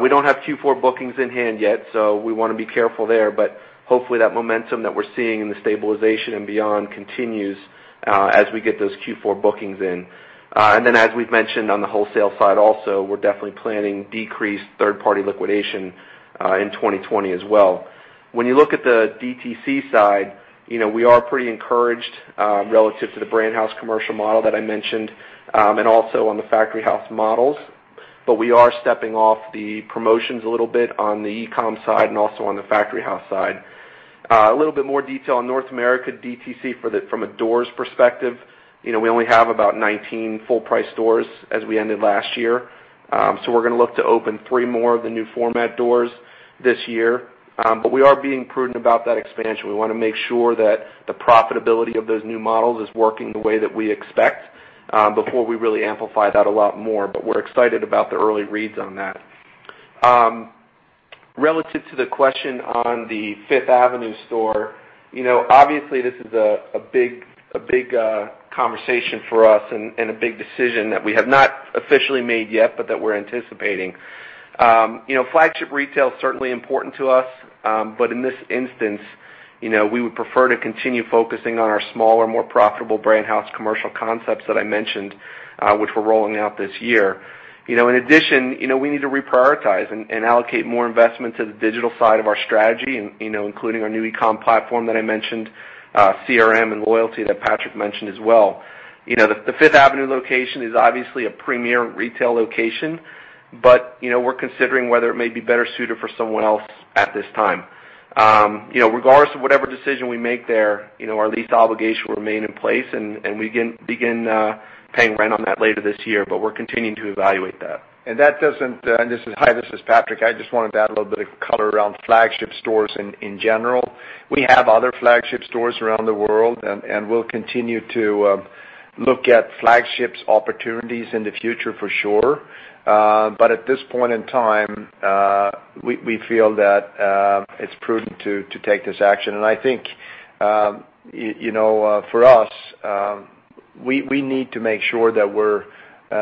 We don't have Q4 bookings in hand yet, so we want to be careful there, but hopefully that momentum that we're seeing in the stabilization and beyond continues as we get those Q4 bookings in. As we've mentioned on the wholesale side also, we're definitely planning decreased third-party liquidation in 2020 as well. When you look at the DTC side, we are pretty encouraged relative to the Brand House commercial model that I mentioned, and also on the Factory House models. We are stepping off the promotions a little bit on the e-com side and also on the Factory House side. A little bit more detail on North America DTC from a doors perspective. We only have about 19 full-price doors as we ended last year. We're going to look to open three more of the new format doors this year. We are being prudent about that expansion. We want to make sure that the profitability of those new models is working the way that we expect before we really amplify that a lot more. We're excited about the early reads on that. Relative to the question on the Fifth Avenue store. Obviously, this is a big conversation for us and a big decision that we have not officially made yet, but that we're anticipating. Flagship retail is certainly important to us, but in this instance, we would prefer to continue focusing on our smaller, more profitable Brand House commercial concepts that I mentioned, which we're rolling out this year. In addition, we need to reprioritize and allocate more investment to the digital side of our strategy, including our new e-com platform that I mentioned, CRM and loyalty that Patrik mentioned as well. The Fifth Avenue location is obviously a premier retail location, but we're considering whether it may be better suited for someone else at this time. Regardless of whatever decision we make there, our lease obligations remain in place, and we begin paying rent on that later this year, but we're continuing to evaluate that. Hi, this is Patrik. I just want to add a little bit of color around flagship stores in general. We have other flagship stores around the world, and we'll continue to look at flagship opportunities in the future for sure. At this point in time, we feel that it's prudent to take this action. I think, for us, we need to make sure that we're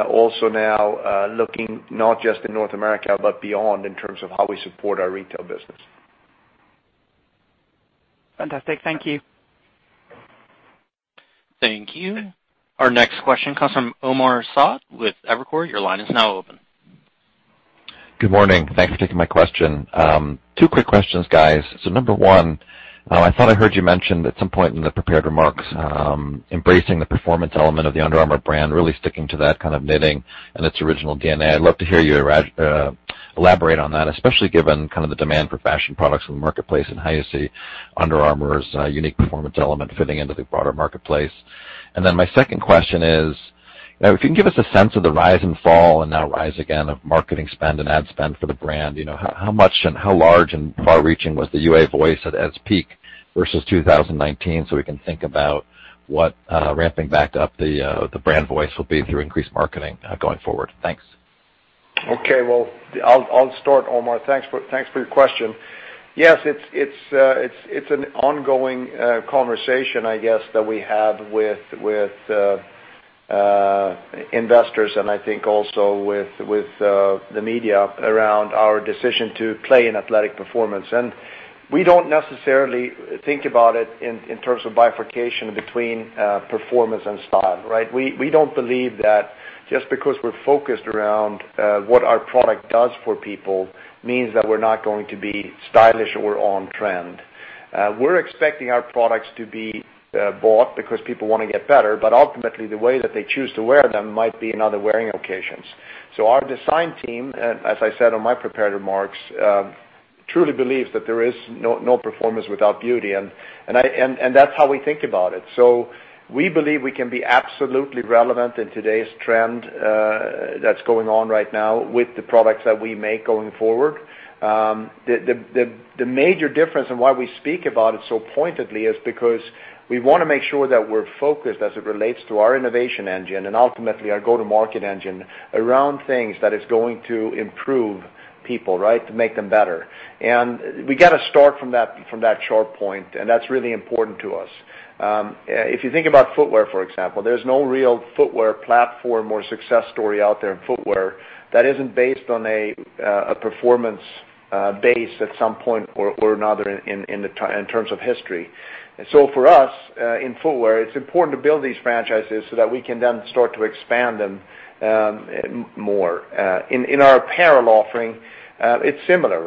also now looking not just in North America, but beyond in terms of how we support our retail business. Fantastic. Thank you. Thank you. Our next question comes from Omar Saad with Evercore. Your line is now open. Good morning. Thanks for taking my question. Two quick questions, guys. Number one, I thought I heard you mention at some point in the prepared remarks, embracing the performance element of the Under Armour brand, really sticking to that kind of knitting and its original DNA. I'd love to hear you elaborate on that, especially given the demand for fashion products in the marketplace and how you see Under Armour's unique performance element fitting into the broader marketplace. My second question is, if you can give us a sense of the rise and fall and now rise again of marketing spend and ad spend for the brand. How much and how large and far-reaching was the UA voice at its peak versus 2019? So we can think about what ramping back up the brand voice will be through increased marketing going forward. Thanks. Okay. Well, I'll start, Omar. Thanks for your question. Yes, it's an ongoing conversation, I guess, that we have with investors and I think also with the media around our decision to play in athletic performance. We don't necessarily think about it in terms of bifurcation between performance and style, right? We don't believe that just because we're focused around what our product does for people means that we're not going to be stylish or on trend. We're expecting our products to be bought because people want to get better, but ultimately, the way that they choose to wear them might be in other wearing occasions. Our design team, as I said on my prepared remarks, truly believes that there is no performance without beauty, and that's how we think about it. We believe we can be absolutely relevant in today's trend that's going on right now with the products that we make going forward. The major difference in why we speak about it so pointedly is because we want to make sure that we're focused as it relates to our innovation engine and ultimately our go-to-market engine around things that is going to improve people, to make them better. We got to start from that sharp point, and that's really important to us. If you think about footwear, for example, there's no real footwear platform or success story out there in footwear that isn't based on a performance base at some point or another in terms of history. For us, in footwear, it's important to build these franchises so that we can then start to expand them more. In our apparel offering, it's similar.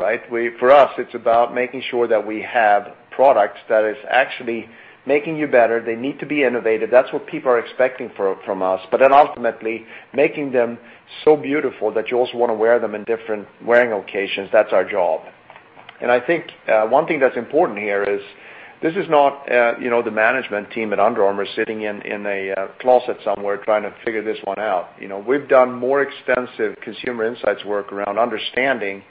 For us, it's about making sure that we have products that is actually making you better. They need to be innovative. That's what people are expecting from us, ultimately making them so beautiful that you also want to wear them in different wearing occasions. That's our job. I think one thing that's important here is this is not the management team at Under Armour sitting in a closet somewhere trying to figure this one out. We've done more extensive consumer insights work around understanding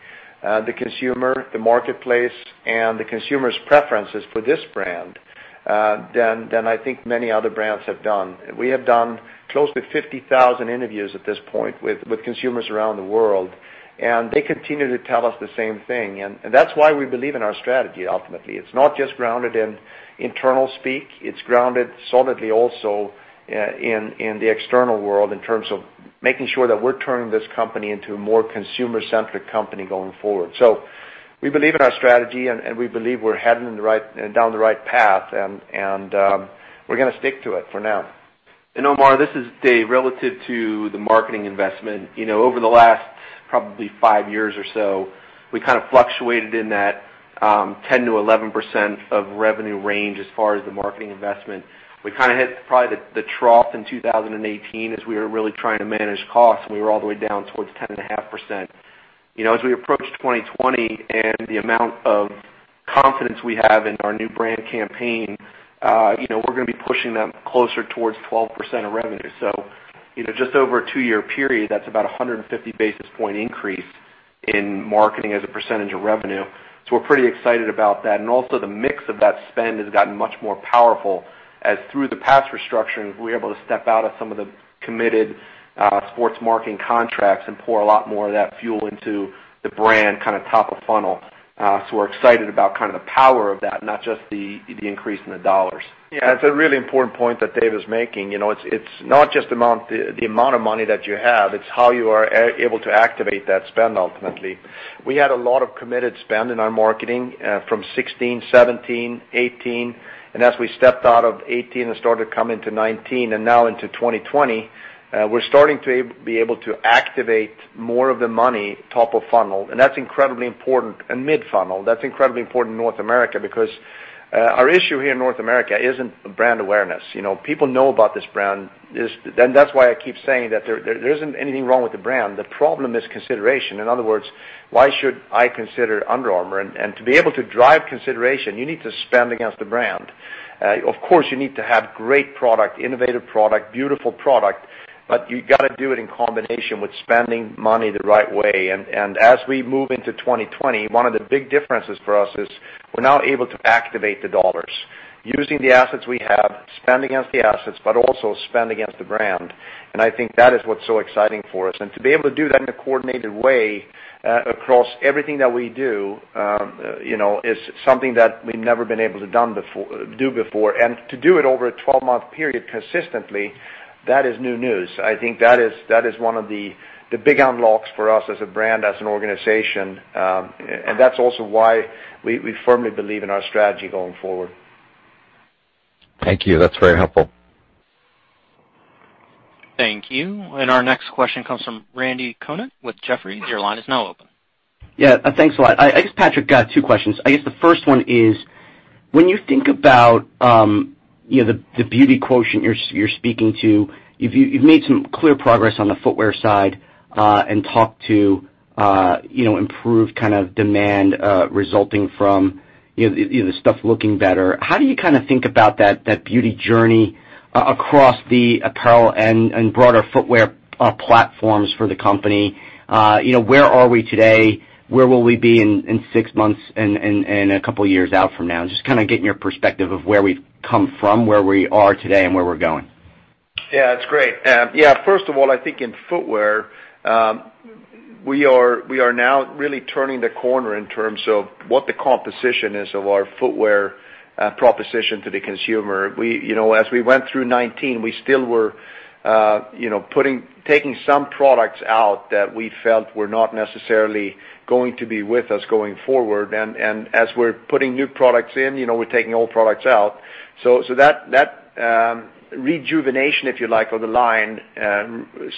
the consumer, the marketplace, and the consumer's preferences for this brand than I think many other brands have done. We have done close to 50,000 interviews at this point with consumers around the world, and they continue to tell us the same thing. That's why we believe in our strategy, ultimately. It's not just grounded in internal speak. It's grounded solidly also in the external world in terms of making sure that we're turning this company into a more consumer-centric company going forward. We believe in our strategy, and we believe we're heading down the right path, and we're going to stick to it for now. Omar, this is Dave. Relative to the marketing investment, over the last probably five years or so, we kind of fluctuated in that 10%-11% of revenue range as far as the marketing investment. We kind of hit probably the trough in 2018 as we were really trying to manage costs, and we were all the way down towards 10.5%. As we approach 2020 and the amount of confidence we have in our new brand campaign, we're going to be pushing that closer towards 12% of revenue. Just over a two-year period, that's about 150 basis point increase in marketing as a percentage of revenue. We're pretty excited about that. Also the mix of that spend has gotten much more powerful as through the past restructurings, we were able to step out of some of the committed sports marketing contracts and pour a lot more of that fuel into the brand top of funnel. We're excited about the power of that, not just the increase in the dollars. Yeah, it's a really important point that Dave is making. It's not just the amount of money that you have, it's how you are able to activate that spend ultimately. We had a lot of committed spend in our marketing from 2016, 2017, 2018, and as we stepped out of 2018 and started to come into 2019 and now into 2020, we're starting to be able to activate more of the money top of funnel, and that's incredibly important, and mid funnel. That's incredibly important in North America because our issue here in North America isn't brand awareness. People know about this brand. That's why I keep saying that there isn't anything wrong with the brand. The problem is consideration. In other words, why should I consider Under Armour? To be able to drive consideration, you need to spend against the brand. You need to have great product, innovative product, beautiful product, but you got to do it in combination with spending money the right way. As we move into 2020, one of the big differences for us is we're now able to activate the dollars using the assets we have, spend against the assets, but also spend against the brand. I think that is what's so exciting for us. To be able to do that in a coordinated way across everything that we do is something that we've never been able to do before. To do it over a 12-month period consistently, that is new news. I think that is one of the big unlocks for us as a brand, as an organization. That's also why we firmly believe in our strategy going forward. Thank you. That's very helpful. Thank you. Our next question comes from Randy Konik with Jefferies. Your line is now open. Yeah. Thanks a lot. I guess, Patrik, two questions. I guess the first one is, when you think about the beauty quotient you're speaking to, you've made some clear progress on the footwear side and talked to improved demand resulting from the stuff looking better. How do you think about that beauty journey across the apparel and broader footwear platforms for the company? Where are we today? Where will we be in six months and a couple of years out from now? Just getting your perspective of where we've come from, where we are today, and where we're going. Yeah, that's great. First of all, I think in footwear, we are now really turning the corner in terms of what the composition is of our footwear proposition to the consumer. As we went through 2019, we still were taking some products out that we felt were not necessarily going to be with us going forward. As we're putting new products in, we're taking old products out. That rejuvenation, if you like, of the line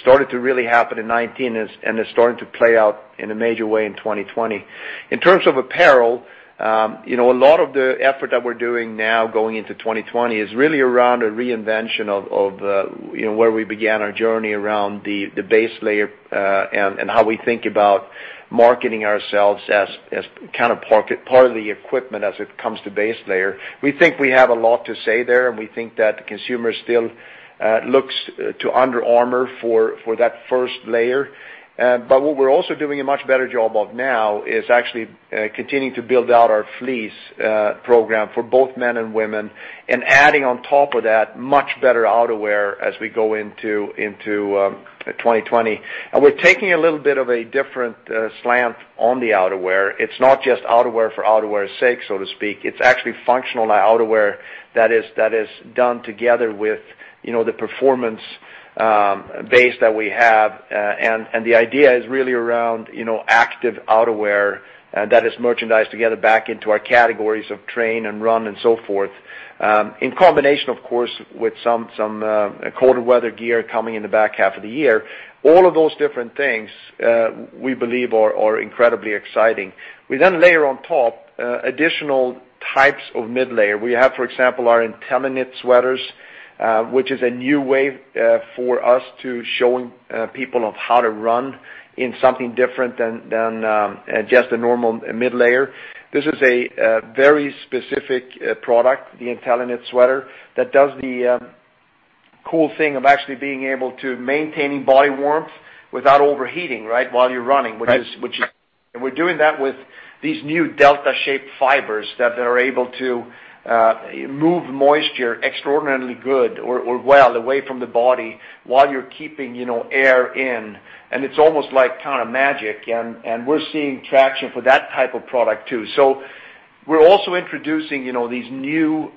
started to really happen in 2019 and is starting to play out in a major way in 2020. In terms of apparel, a lot of the effort that we're doing now going into 2020 is really around a reinvention of where we began our journey around the base layer and how we think about marketing ourselves as part of the equipment as it comes to base layer. We think we have a lot to say there, and we think that the consumer still looks to Under Armour for that first layer. What we're also doing a much better job of now is actually continuing to build out our fleece program for both men and women and adding on top of that much better outerwear as we go into 2020. We're taking a little bit of a different slant on the outerwear. It's not just outerwear for outerwear's sake, so to speak. It's actually functional outerwear that is done together with the performance base that we have. The idea is really around active outerwear that is merchandised together back into our categories of train and run and so forth, in combination, of course, with some colder weather gear coming in the back half of the year. All of those different things we believe are incredibly exciting. We layer on top additional types of mid-layer. We have, for example, our IntelliKnit sweaters which is a new way for us to showing people of how to run in something different than just a normal mid-layer. This is a very specific product, the IntelliKnit sweater, that does the cool thing of actually being able to maintaining body warmth without overheating while you're running. Right. We're doing that with these new delta-shaped fibers that are able to move moisture extraordinarily good or well away from the body while you're keeping air in. It's almost like magic, and we're seeing traction for that type of product, too. We're also introducing these new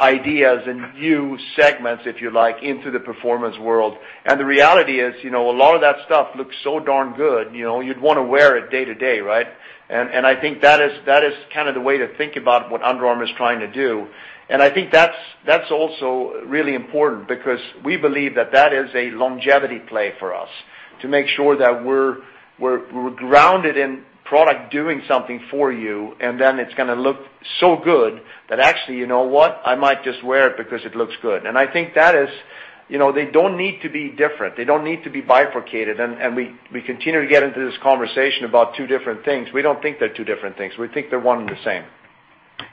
ideas and new segments, if you like, into the performance world. The reality is, a lot of that stuff looks so darn good you'd want to wear it day to day, right? I think that is the way to think about what Under Armour is trying to do. I think that's also really important because we believe that that is a longevity play for us to make sure that we're grounded in product doing something for you, and then it's going to look so good that actually, you know what. I might just wear it because it looks good. I think they don't need to be different. They don't need to be bifurcated. We continue to get into this conversation about two different things. We don't think they're two different things. We think they're one and the same.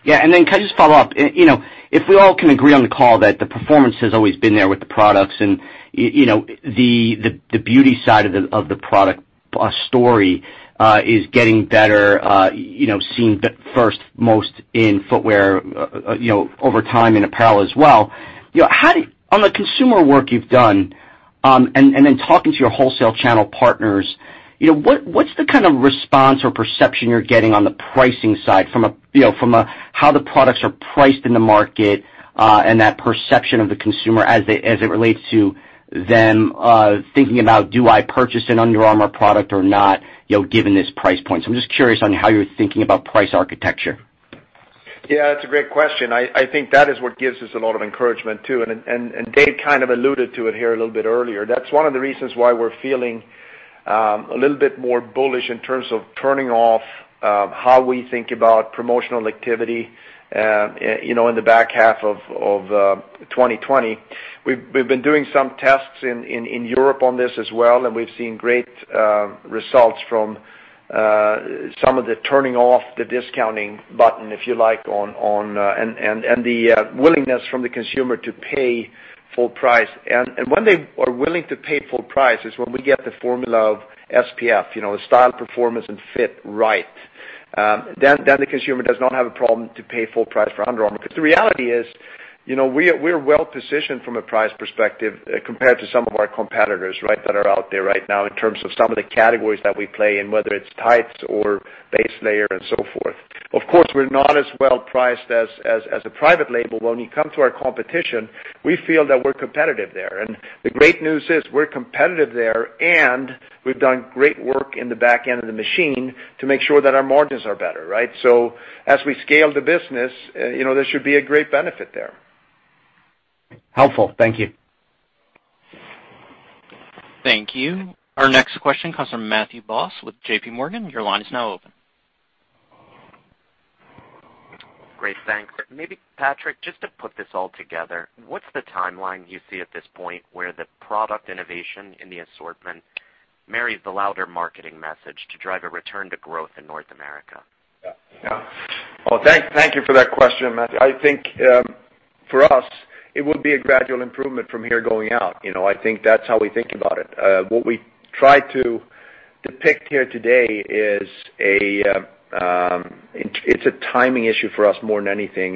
Yeah. Can I just follow up? If we all can agree on the call that the performance has always been there with the products and the beauty side of the product story is getting better, seen first most in footwear over time in apparel as well. On the consumer work you've done and then talking to your wholesale channel partners, what's the kind of response or perception you're getting on the pricing side from how the products are priced in the market and that perception of the consumer as it relates to them thinking about, do I purchase an Under Armour product or not given this price point? I'm just curious on how you're thinking about price architecture. Yeah, that's a great question. I think that is what gives us a lot of encouragement, too. Dave kind of alluded to it here a little bit earlier. That's one of the reasons why we're feeling a little bit more bullish in terms of turning off how we think about promotional activity in the back half of 2020. We've been doing some tests in Europe on this as well. We've seen great results from some of the turning off the discounting button, if you like, and the willingness from the consumer to pay full price. When they are willing to pay full price is when we get the formula of SPF, the style, performance, and fit right. The consumer does not have a problem to pay full price for Under Armour. The reality is, we're well-positioned from a price perspective compared to some of our competitors that are out there right now in terms of some of the categories that we play in, whether it's tights or base layer and so forth. Of course, we're not as well-priced as a private label, but when you come to our competition, we feel that we're competitive there. The great news is we're competitive there, and we've done great work in the back end of the machine to make sure that our margins are better. As we scale the business, there should be a great benefit there. Helpful. Thank you. Thank you. Our next question comes from Matthew Boss with JPMorgan. Your line is now open. Great. Thanks. Maybe Patrik, just to put this all together, what's the timeline you see at this point where the product innovation in the assortment marries the louder marketing message to drive a return to growth in North America? Yeah. Thank you for that question, Matthew. I think for us, it would be a gradual improvement from here going out. I think that's how we think about it. The pick here today is a timing issue for us more than anything.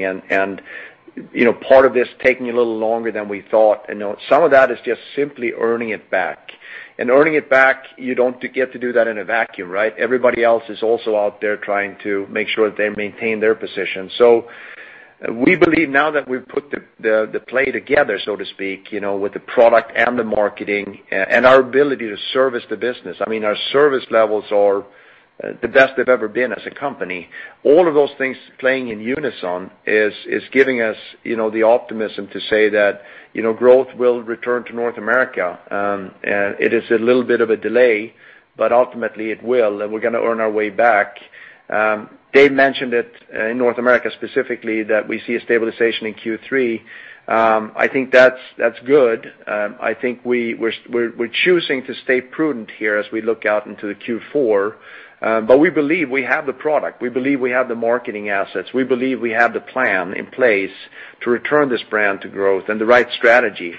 Part of this taking a little longer than we thought, some of that is just simply earning it back. Earning it back, you don't get to do that in a vacuum, right? Everybody else is also out there trying to make sure that they maintain their position. We believe now that we've put the play together, so to speak, with the product and the marketing and our ability to service the business. I mean, our service levels are the best they've ever been as a company. All of those things playing in unison is giving us the optimism to say that growth will return to North America. It is a little bit of a delay, but ultimately it will, and we're going to earn our way back. Dave mentioned it in North America specifically, that we see a stabilization in Q3. I think that's good. I think we're choosing to stay prudent here as we look out into Q4. We believe we have the product, we believe we have the marketing assets, we believe we have the plan in place to return this brand to growth and the right strategy.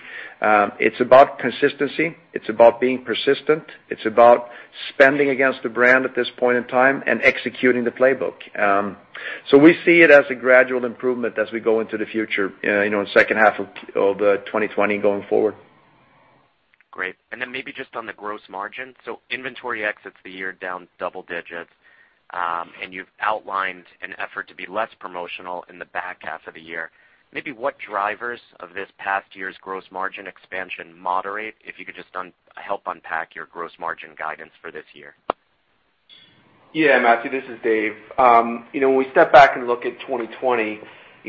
It's about consistency. It's about being persistent. It's about spending against the brand at this point in time and executing the playbook. We see it as a gradual improvement as we go into the future, in the second half of 2020 going forward. Great. Then maybe just on the gross margin. Inventory exits the year down double digits. You've outlined an effort to be less promotional in the back half of the year. Maybe what drivers of this past year's gross margin expansion moderate, if you could just help unpack your gross margin guidance for this year? Yeah, Matthew, this is Dave. When we step back and look at 2020,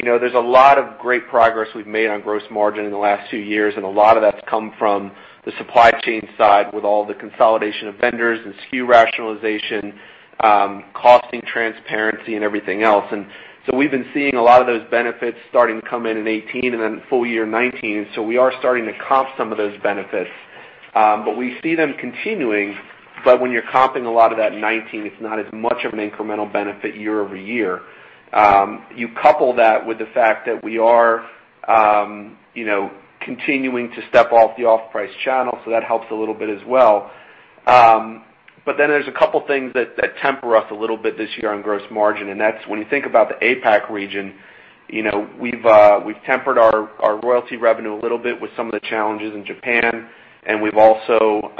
there's a lot of great progress we've made on gross margin in the last two years. A lot of that's come from the supply chain side with all the consolidation of vendors and SKU rationalization, costing transparency, and everything else. We've been seeing a lot of those benefits starting to come in in 2018 and then full year 2019. We are starting to comp some of those benefits. We see them continuing, but when you're comping a lot of that 2019, it's not as much of an incremental benefit year-over-year. You couple that with the fact that we are continuing to step off the off-price channel, so that helps a little bit as well. There's a couple things that temper us a little bit this year on gross margin, and that's when you think about the APAC region, we've tempered our royalty revenue a little bit with some of the challenges in Japan, and we've also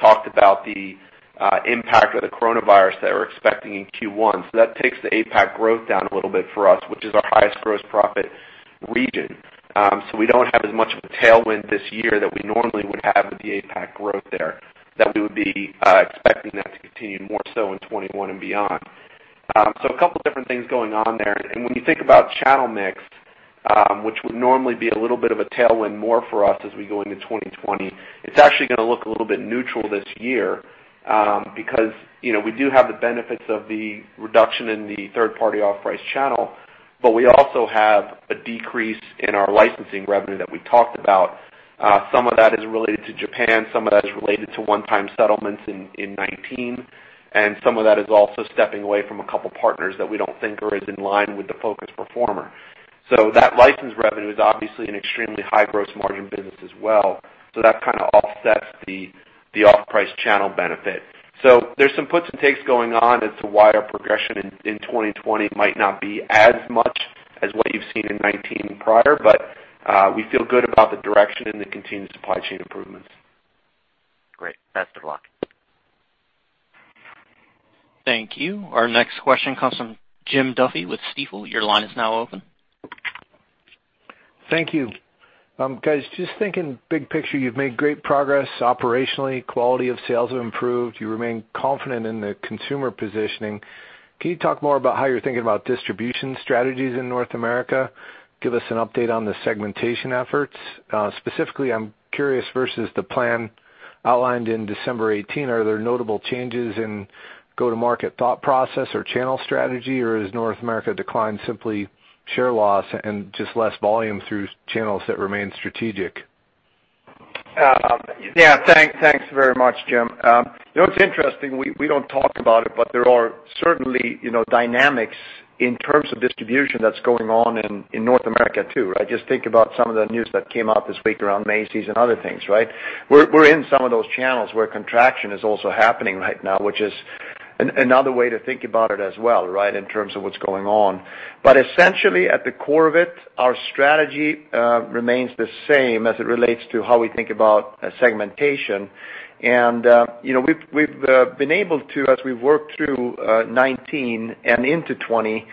talked about the impact of the coronavirus that we're expecting in Q1. That takes the APAC growth down a little bit for us, which is our highest gross profit region. We don't have as much of a tailwind this year that we normally would have with the APAC growth there, that we would be expecting that to continue more so in 2021 and beyond. A couple different things going on there. When you think about channel mix, which would normally be a little bit of a tailwind more for us as we go into 2020, it's actually going to look a little bit neutral this year, because we do have the benefits of the reduction in the third-party off-price channel, but we also have a decrease in our licensing revenue that we talked about. Some of that is related to Japan, some of that is related to one-time settlements in 2019, and some of that is also stepping away from a couple partners that we don't think are as in line with the focused performer. That license revenue is obviously an extremely high gross margin business as well. That kind of offsets the off-price channel benefit. There's some puts and takes going on as to why our progression in 2020 might not be as much as what you've seen in 2019 and prior, but we feel good about the direction and the continued supply chain improvements. Great. Thanks for the luck. Thank you. Our next question comes from Jim Duffy with Stifel. Your line is now open. Thank you. Guys, just thinking big picture, you've made great progress operationally. Quality of sales have improved. You remain confident in the consumer positioning. Can you talk more about how you're thinking about distribution strategies in North America? Give us an update on the segmentation efforts. Specifically, I'm curious versus the plan outlined in December 2018, are there notable changes in go-to-market thought process or channel strategy, or is North America decline simply share loss and just less volume through channels that remain strategic? Yeah. Thanks very much, Jim. It's interesting, we don't talk about it, but there are certainly dynamics in terms of distribution that's going on in North America, too. Just think about some of the news that came out this week around Macy's and other things, right? We're in some of those channels where contraction is also happening right now, which is another way to think about it as well, in terms of what's going on. Essentially, at the core of it, our strategy remains the same as it relates to how we think about segmentation. We've been able to, as we've worked through 2019 and into 2020,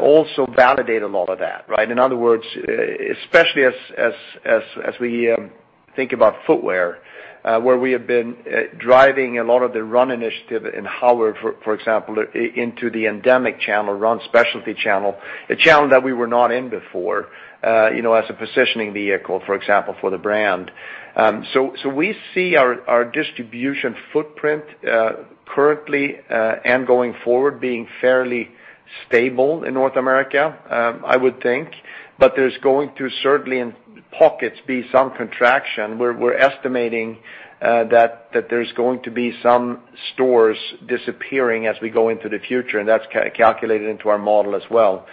also validate a lot of that. In other words, especially as we think about footwear, where we have been driving a lot of the run initiative in HOVR, for example, into the endemic channel, run specialty channel, a channel that we were not in before as a positioning vehicle, for example, for the brand. We see our distribution footprint currently and going forward being fairly stable in North America, I would think. There's going to certainly in pockets be some contraction. We're estimating that there's going to be some stores disappearing as we go into the future, and that's calculated into our model as well.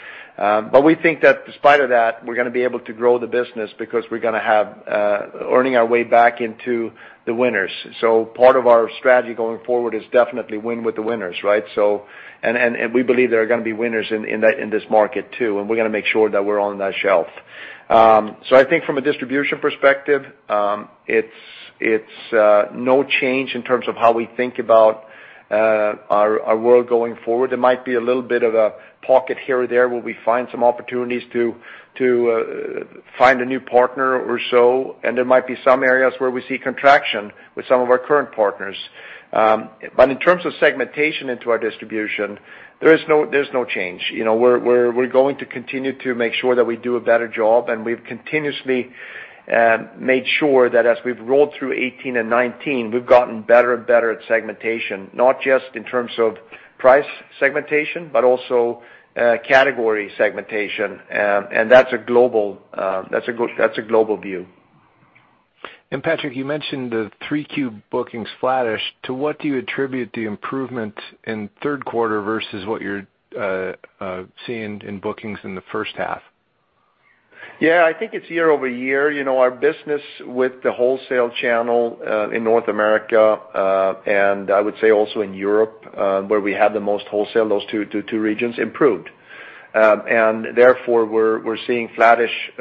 We think that in spite of that, we're going to be able to grow the business because we're going to be earning our way back into the winners. Part of our strategy going forward is definitely win with the winners, right? We believe there are going to be winners in this market too, and we're going to make sure that we're on that shelf. I think from a distribution perspective, it's no change in terms of how we think about our world going forward. There might be a little bit of a pocket here or there where we find some opportunities to find a new partner or so, and there might be some areas where we see contraction with some of our current partners. In terms of segmentation into our distribution, there's no change. We're going to continue to make sure that we do a better job, and we've continuously made sure that as we've rolled through 2018 and 2019, we've gotten better and better at segmentation. Not just in terms of price segmentation, but also category segmentation. That's a global view. Patrik, you mentioned the 3Q bookings flattish. To what do you attribute the improvement in third quarter versus what you're seeing in bookings in the first half? I think it's year-over-year. Our business with the wholesale channel, in North America, and I would say also in Europe, where we had the most wholesale, those two regions improved. Therefore, we're seeing flattish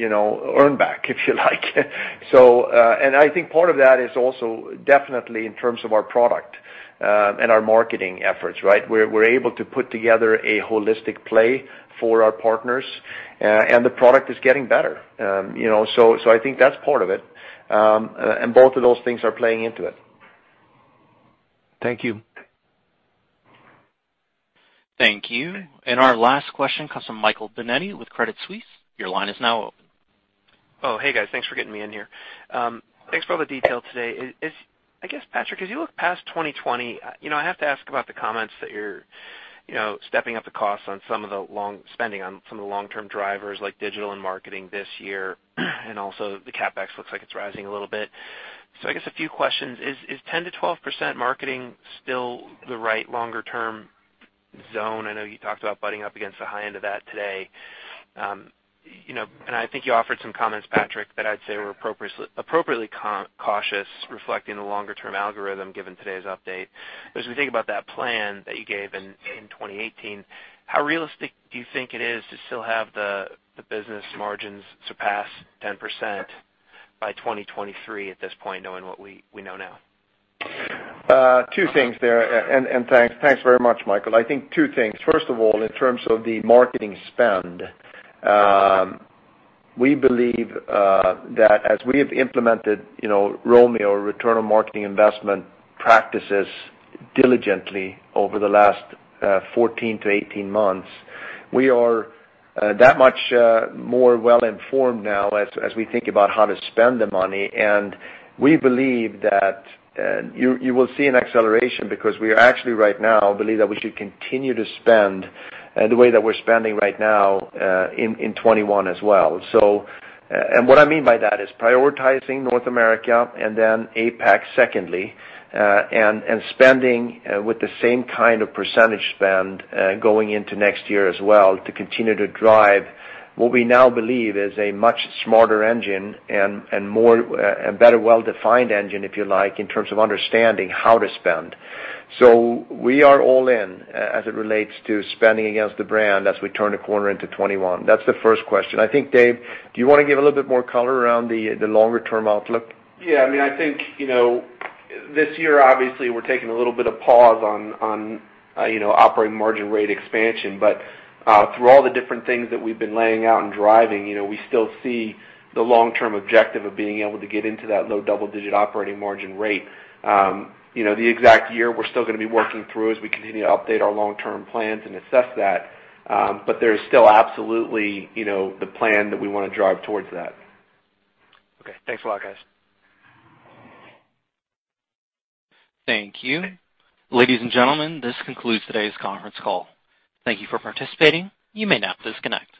earn back, if you like. I think part of that is also definitely in terms of our product, and our marketing efforts, right? We're able to put together a holistic play for our partners, and the product is getting better. I think that's part of it. Both of those things are playing into it. Thank you. Thank you. Our last question comes from Michael Binetti with Credit Suisse. Your line is now open. Oh, hey guys. Thanks for getting me in here. Thanks for all the detail today. Patrik, as you look past 2020, I have to ask about the comments that you're stepping up the costs on some of the long spending, on some of the long-term drivers like digital and marketing this year, and also the CapEx looks like it's rising a little bit. A few questions. Is 10%-12% marketing still the right longer term zone? I know you talked about butting up against the high end of that today. I think you offered some comments, Patrik, that I'd say were appropriately cautious, reflecting the longer term algorithm given today's update. As we think about that plan that you gave in 2018, how realistic do you think it is to still have the business margins surpass 10% by 2023 at this point, knowing what we know now? Two things there. Thanks very much, Michael. I think two things. First of all, in terms of the marketing spend, we believe that as we have implemented ROMI, or return on marketing investment practices diligently over the last 14 to 18 months, we are that much more well informed now as we think about how to spend the money. We believe that you will see an acceleration because we actually right now believe that we should continue to spend the way that we're spending right now in 2021 as well. What I mean by that is prioritizing North America and then APAC secondly, and spending with the same kind of percentage spend going into next year as well to continue to drive what we now believe is a much smarter engine and a better well-defined engine, if you like, in terms of understanding how to spend. We are all in as it relates to spending against the brand as we turn the corner into 2021. That's the first question. I think, Dave, do you want to give a little bit more color around the longer term outlook? Yeah. I think, this year, obviously, we're taking a little bit of pause on operating margin rate expansion. Through all the different things that we've been laying out and driving, we still see the long-term objective of being able to get into that low double-digit operating margin rate. The exact year we're still going to be working through as we continue to update our long-term plans and assess that. There's still absolutely the plan that we want to drive towards that. Okay. Thanks a lot, guys. Thank you. Ladies and gentlemen, this concludes today's conference call. Thank you for participating. You may now disconnect.